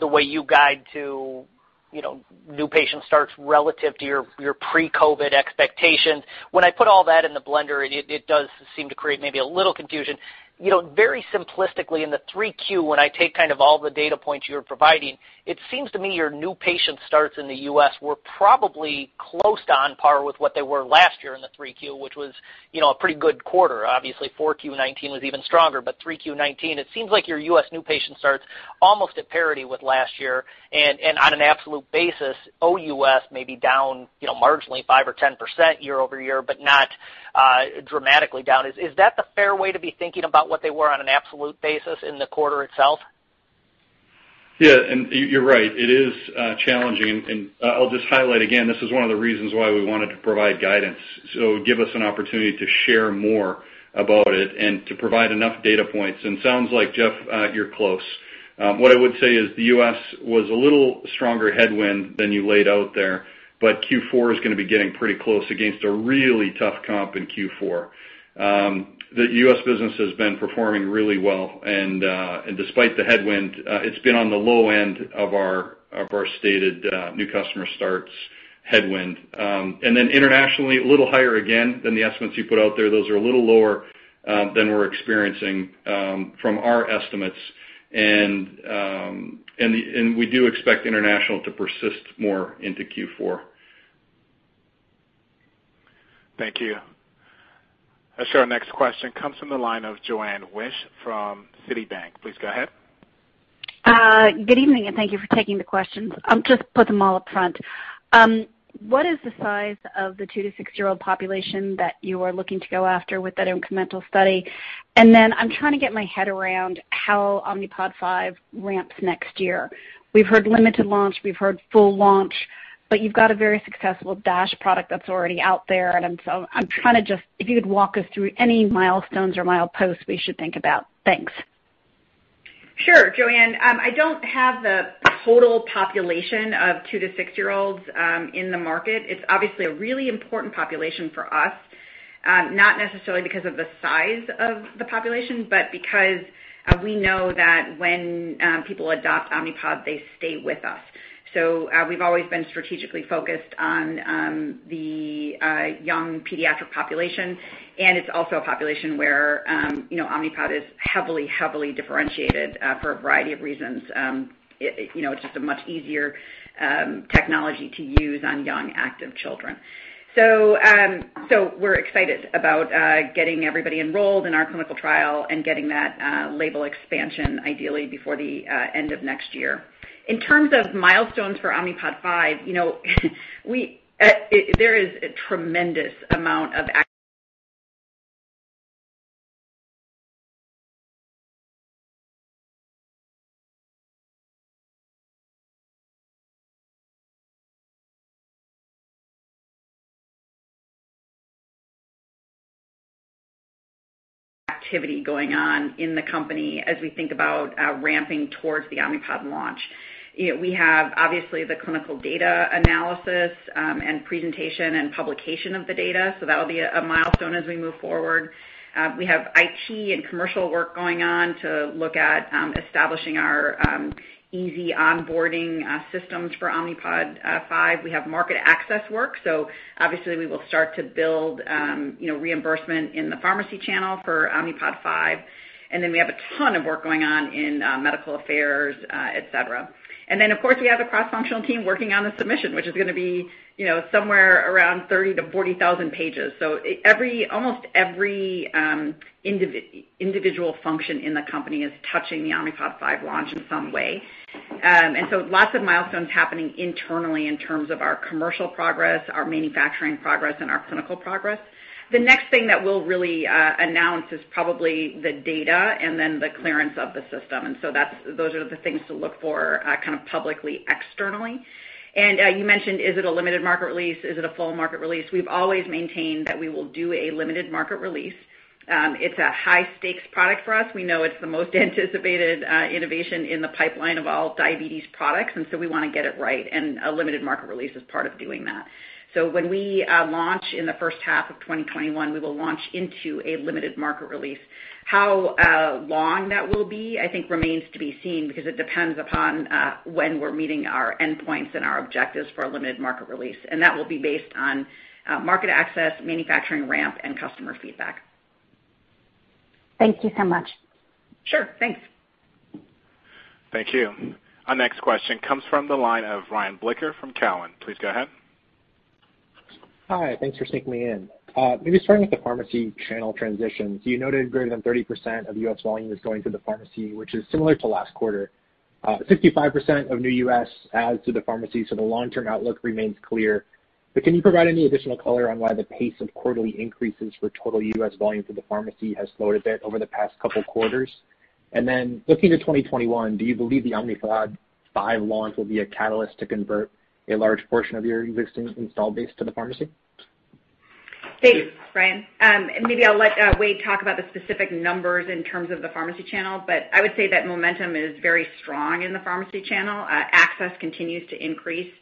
the way you guide to new patient starts relative to your pre-COVID expectations, when I put all that in the blender, it does seem to create maybe a little confusion. Very simplistically, in the 3Q, when I take kind of all the data points you're providing, it seems to me your new patient starts in the U.S. were probably close to on par with what they were last year in the 3Q, which was a pretty good quarter. Obviously, 4Q 2019 was even stronger, but 3Q 2019, it seems like your U.S. new patient starts almost at parity with last year. And on an absolute basis, OUS may be down marginally 5% or 10% year-over-year, but not dramatically down. Is that the fair way to be thinking about what they were on an absolute basis in the quarter itself? Yeah. And you're right. It is challenging. And I'll just highlight again, this is one of the reasons why we wanted to provide guidance. So give us an opportunity to share more about it and to provide enough data points. And it sounds like, Jeff, you're close. What I would say is the U.S. was a little stronger headwind than you laid out there, but Q4 is going to be getting pretty close against a really tough comp in Q4. The U.S. business has been performing really well. And despite the headwind, it's been on the low end of our stated new customer starts headwind. And then internationally, a little higher again than the estimates you put out there. Those are a little lower than we're experiencing from our estimates. And we do expect international to persist more into Q4. Thank you. I show our next question comes from the line of Joanne Wuensch from Citibank. Please go ahead. Good evening, and thank you for taking the questions. I'll just put them all up front. What is the size of the two to six-year-old population that you are looking to go after with that incremental study? And then I'm trying to get my head around how Omnipod 5 ramps next year. We've heard limited launch. We've heard full launch. But you've got a very successful DASH product that's already out there. And I'm trying to just, if you could walk us through any milestones or mileposts we should think about. Thanks. Sure, Joanne. I don't have the total population of two to six-year-olds in the market. It's obviously a really important population for us, not necessarily because of the size of the population, but because we know that when people adopt Omnipod, they stay with us. So we've always been strategically focused on the young pediatric population. And it's also a population where Omnipod is heavily, heavily differentiated for a variety of reasons. It's just a much easier technology to use on young active children. So we're excited about getting everybody enrolled in our clinical trial and getting that label expansion ideally before the end of next year. In terms of milestones for Omnipod 5, there is a tremendous amount of activity going on in the company as we think about ramping towards the Omnipod launch. We have, obviously, the clinical data analysis and presentation and publication of the data. So that'll be a milestone as we move forward. We have IT and commercial work going on to look at establishing our easy onboarding systems for Omnipod 5. We have market access work. So obviously, we will start to build reimbursement in the pharmacy channel for Omnipod 5. And then we have a ton of work going on in medical affairs, etc. And then, of course, we have the cross-functional team working on the submission, which is going to be somewhere around 30,000-40,000 pages. So almost every individual function in the company is touching the Omnipod 5 launch in some way. And so lots of milestones happening internally in terms of our commercial progress, our manufacturing progress, and our clinical progress. The next thing that we'll really announce is probably the data and then the clearance of the system. And so those are the things to look for, kind of publicly externally. And you mentioned, is it a limited market release? Is it a full market release? We've always maintained that we will do a limited market release. It's a high-stakes product for us. We know it's the most anticipated innovation in the pipeline of all diabetes products. And so we want to get it right. And a limited market release is part of doing that. So when we launch in the first half of 2021, we will launch into a limited market release. How long that will be, I think, remains to be seen because it depends upon when we're meeting our endpoints and our objectives for a limited market release. And that will be based on market access, manufacturing ramp, and customer feedback. Thank you so much. Sure. Thanks. Thank you. Our next question comes from the line of Ryan Blicker from Cowen. Please go ahead. Hi. Thanks for sticking me in. Maybe starting with the pharmacy channel transition. So you noted greater than 30% of U.S. volume is going to the pharmacy, which is similar to last quarter. 65% of new U.S. adds to the pharmacy. So the long-term outlook remains clear. But can you provide any additional color on why the pace of quarterly increases for total U.S. volume to the pharmacy has slowed a bit over the past couple of quarters? And then looking to 2021, do you believe the Omnipod 5 launch will be a catalyst to convert a large portion of your existing install base to the pharmacy? Thanks, Ryan. And maybe I'll let Wayde talk about the specific numbers in terms of the pharmacy channel. But I would say that momentum is very strong in the pharmacy channel. Access continues to increase.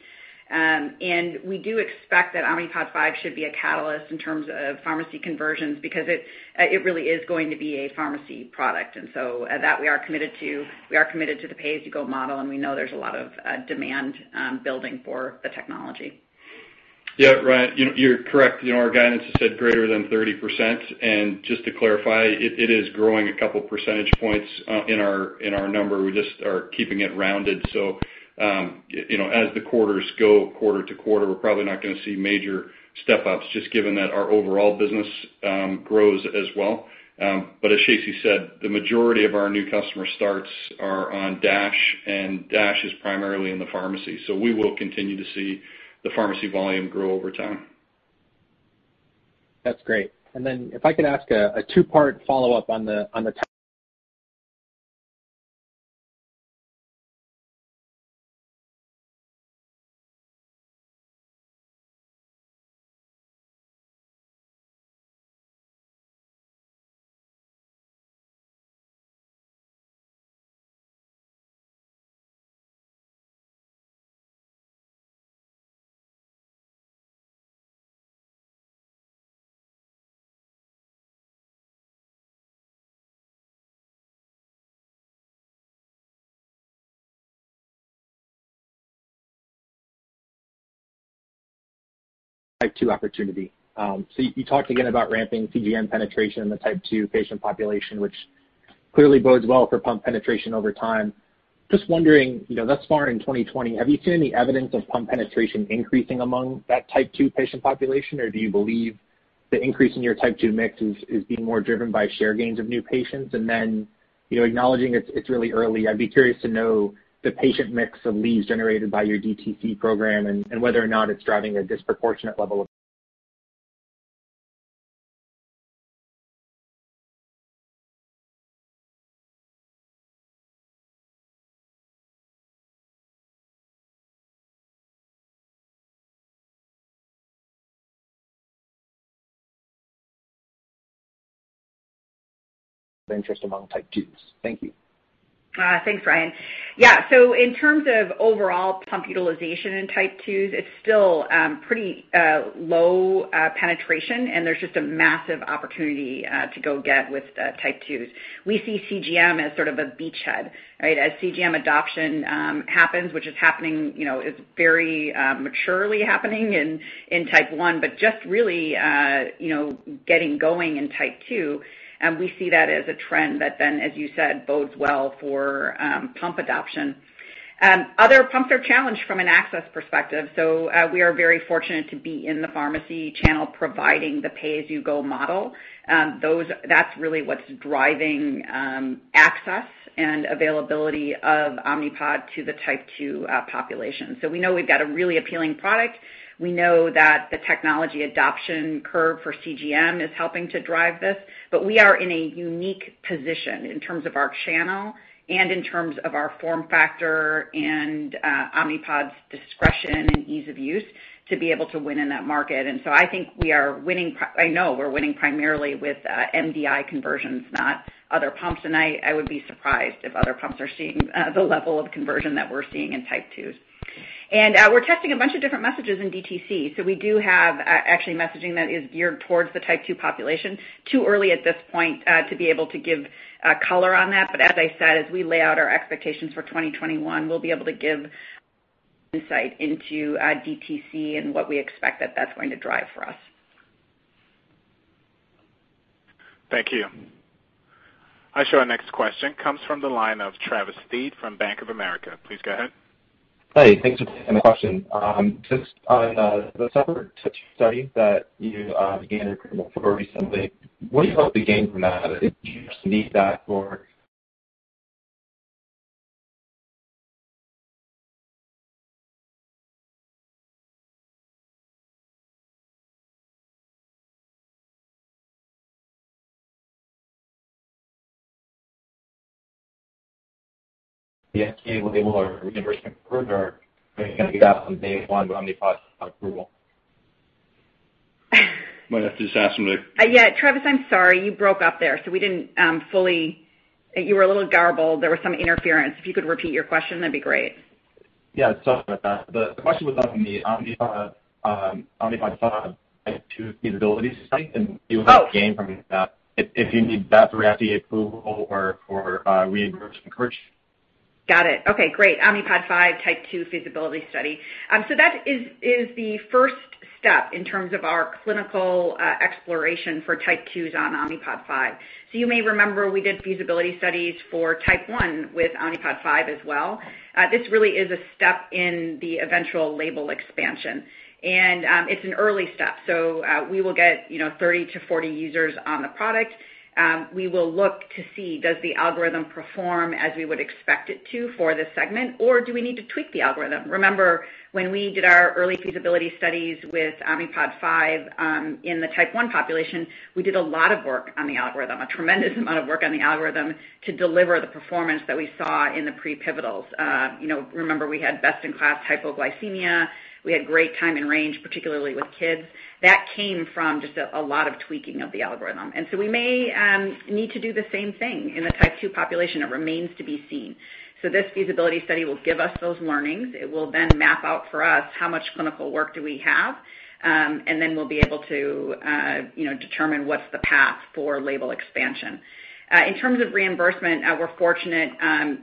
And we do expect that Omnipod 5 should be a catalyst in terms of pharmacy conversions because it really is going to be a pharmacy product. And so that we are committed to. We are committed to the pay-as-you-go model. And we know there's a lot of demand building for the technology. Yeah, right. You're correct. Our guidance has said greater than 30%. And just to clarify, it is growing a couple of percentage points in our number. We just are keeping it rounded. So as the quarters go quarter-to-quarter, we're probably not going to see major step-ups just given that our overall business grows as well. But as Shacey said, the majority of our new customer starts are on DASH. And DASH is primarily in the pharmacy. So we will continue to see the pharmacy volume grow over time. That's great. And then if I could ask a two-part follow-up on the type 2 opportunity. So you talked again about ramping CGM penetration in the type 2 patient population, which clearly bodes well for pump penetration over time. Just wondering, thus far in 2020, have you seen any evidence of pump penetration increasing among that type 2 patient population? Or do you believe the increase in your type 2 mix is being more driven by share gains of new patients? And then acknowledging it's really early, I'd be curious to know the patient mix of leads generated by your DTC program and whether or not it's driving a disproportionate level of interest among type 2s. Thank you. Thanks, Ryan. Yeah. So in terms of overall pump utilization in type 2s, it's still pretty low penetration. And there's just a massive opportunity to go get with type 2s. We see CGM as sort of a beachhead, right? As CGM adoption happens, which is happening very maturely in type 1, but just really getting going in type 2. And we see that as a trend that then, as you said, bodes well for pump adoption. Other pumps are challenged from an access perspective. So we are very fortunate to be in the pharmacy channel providing the pay-as-you-go model. That's really what's driving access and availability of Omnipod to the type 2 population. So we know we've got a really appealing product. We know that the technology adoption curve for CGM is helping to drive this. But we are in a unique position in terms of our channel and in terms of our form factor and Omnipod's discretion and ease of use to be able to win in that market. And so I think we are winning. I know we're winning primarily with MDI conversions, not other pumps. And I would be surprised if other pumps are seeing the level of conversion that we're seeing in type 2s. And we're testing a bunch of different messages in DTC. So we do have actually messaging that is geared towards the type 2 population. Too early at this point to be able to give color on that. But as I said, as we lay out our expectations for 2021, we'll be able to give insight into DTC and what we expect that that's going to drive for us. Thank you. I show our next question comes from the line of Travis Steed from Bank of America. Please go ahead. Hi. Thanks for taking the question. Just on the separate study that you began to promote for recently, what do you hope to gain from that? Do you need that for? Yeah. Can you enable our reimbursement further? I think it's going to be that from day one with Omnipod approval. I might have to just ask him to. Yeah. Travis, I'm sorry. You broke up there, so we didn't fully, you were a little garbled. There was some interference. If you could repeat your question, that'd be great. Yeah. Sorry about that. The question was not from me. Omnipod 5 type 2 feasibility study, and you would gain from that if you need that for FDA approval or reimbursement coverage. Got it. Okay. Great. Omnipod 5 type 2 feasibility study. So that is the first step in terms of our clinical exploration for type 2s on Omnipod 5. So you may remember we did feasibility studies for type 1 with Omnipod 5 as well. This really is a step in the eventual label expansion. And it's an early step. So we will get 30-40 users on the product. We will look to see does the algorithm perform as we would expect it to for this segment, or do we need to tweak the algorithm? Remember, when we did our early feasibility studies with Omnipod 5 in the type 1 population, we did a lot of work on the algorithm, a tremendous amount of work on the algorithm to deliver the performance that we saw in the pre-pivotal. Remember, we had best-in-class hypoglycemia. We had great timing range, particularly with kids. That came from just a lot of tweaking of the algorithm, and so we may need to do the same thing in the type 2 population. It remains to be seen, so this feasibility study will give us those learnings. It will then map out for us how much clinical work do we have, and then we'll be able to determine what's the path for label expansion. In terms of reimbursement, we're fortunate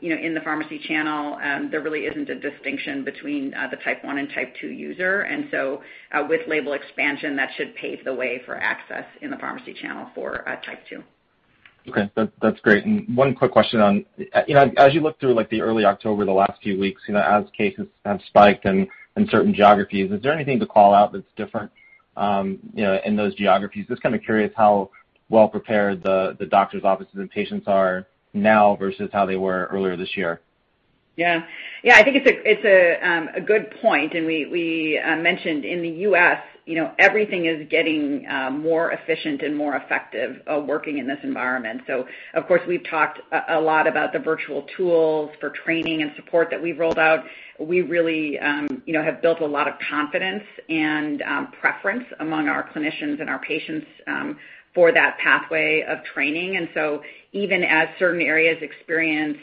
in the pharmacy channel. There really isn't a distinction between the type 1 and type 2 user, and so with label expansion, that should pave the way for access in the pharmacy channel for type 2. Okay. That's great. And one quick question on, as you look through the early October, the last few weeks, as cases have spiked in certain geographies, is there anything to call out that's different in those geographies? Just kind of curious how well-prepared the doctors' offices and patients are now versus how they were earlier this year. Yeah. Yeah. I think it's a good point, and we mentioned in the U.S., everything is getting more efficient and more effective working in this environment, so of course, we've talked a lot about the virtual tools for training and support that we've rolled out. We really have built a lot of confidence and preference among our clinicians and our patients for that pathway of training, and so even as certain areas experience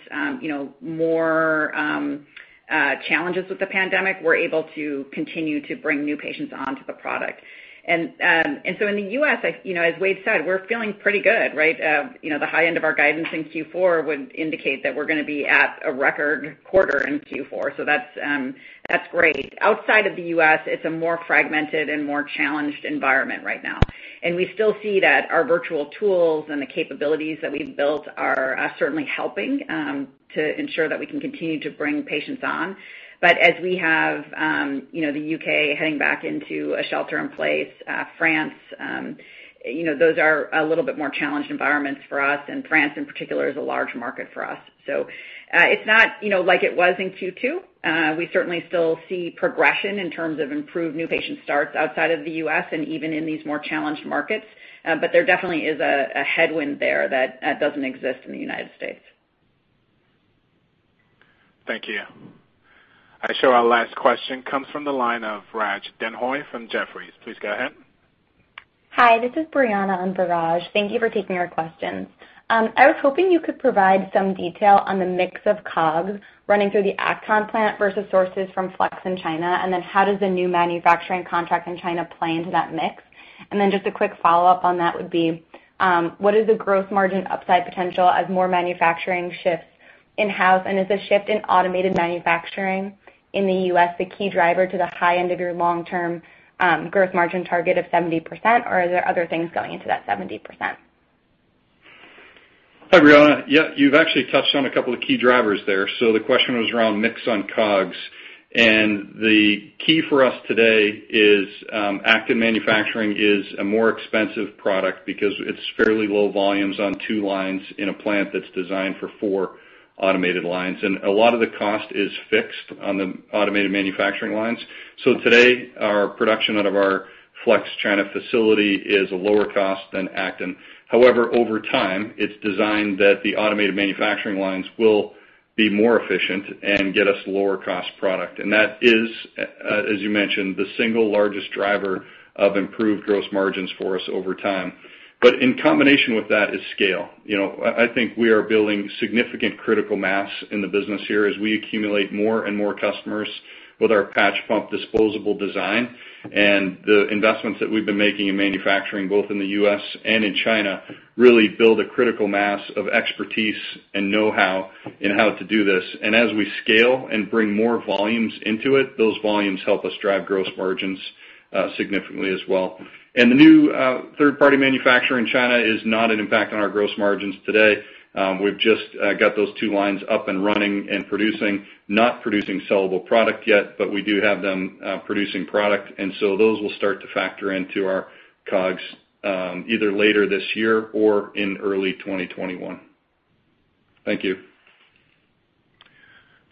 more challenges with the pandemic, we're able to continue to bring new patients onto the product, and so in the U.S., as Wayde said, we're feeling pretty good, right? The high end of our guidance in Q4 would indicate that we're going to be at a record quarter in Q4, so that's great. Outside of the U.S., it's a more fragmented and more challenged environment right now. And we still see that our virtual tools and the capabilities that we've built are certainly helping to ensure that we can continue to bring patients on. But as we have the U.K. heading back into a shelter-in-place, France, those are a little bit more challenged environments for us. And France, in particular, is a large market for us. So it's not like it was in Q2. We certainly still see progression in terms of improved new patient starts outside of the U.S. and even in these more challenged markets. But there definitely is a headwind there that doesn't exist in the United States. Thank you. I show our last question comes from the line of Raj Denhoy from Jefferies. Please go ahead. Hi. This is Brianna on to Raj. Thank you for taking our questions. I was hoping you could provide some detail on the mix of COGS running through the Acton plant versus sources from Flex in China, and then how does the new manufacturing contract in China play into that mix? And then just a quick follow-up on that would be, what is the gross margin upside potential as more manufacturing shifts in-house? And is the shift in automated manufacturing in the U.S. the key driver to the high end of your long-term gross margin target of 70%, or are there other things going into that 70%? Hi, Brianna. Yeah. You've actually touched on a couple of key drivers there. So the question was around mix on COGS. And the key for us today is active manufacturing is a more expensive product because it's fairly low volumes on two lines in a plant that's designed for four automated lines. And a lot of the cost is fixed on the automated manufacturing lines. So today, our production out of our Flex China facility is a lower cost than Acton. However, over time, it's designed that the automated manufacturing lines will be more efficient and get us a lower-cost product. And that is, as you mentioned, the single largest driver of improved gross margins for us over time. But in combination with that is scale. I think we are building significant critical mass in the business here as we accumulate more and more customers with our patch pump disposable design. And the investments that we've been making in manufacturing, both in the U.S. and in China, really build a critical mass of expertise and know-how in how to do this. And as we scale and bring more volumes into it, those volumes help us drive gross margins significantly as well. And the new third-party manufacturer in China is not an impact on our gross margins today. We've just got those two lines up and running and producing, not producing sellable product yet, but we do have them producing product. And so those will start to factor into our COGS either later this year or in early 2021. Thank you.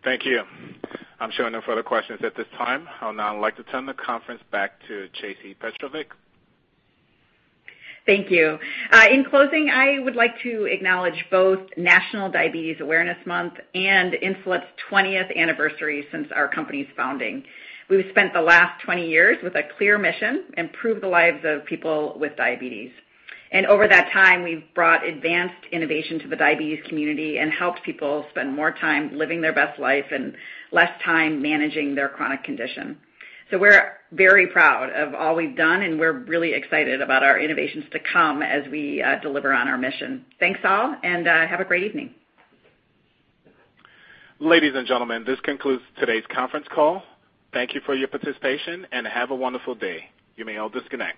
Thank you. I'm showing no further questions at this time. I'll now like to turn the conference back to Shacey Petrovic. Thank you. In closing, I would like to acknowledge both National Diabetes Awareness Month and Insulet's 20th Anniversary since our company's founding. We've spent the last 20 years with a clear mission: improve the lives of people with diabetes. And over that time, we've brought advanced innovation to the diabetes community and helped people spend more time living their best life and less time managing their chronic condition. So we're very proud of all we've done, and we're really excited about our innovations to come as we deliver on our mission. Thanks all, and have a great evening. Ladies and gentlemen, this concludes today's conference call. Thank you for your participation, and have a wonderful day. You may all disconnect.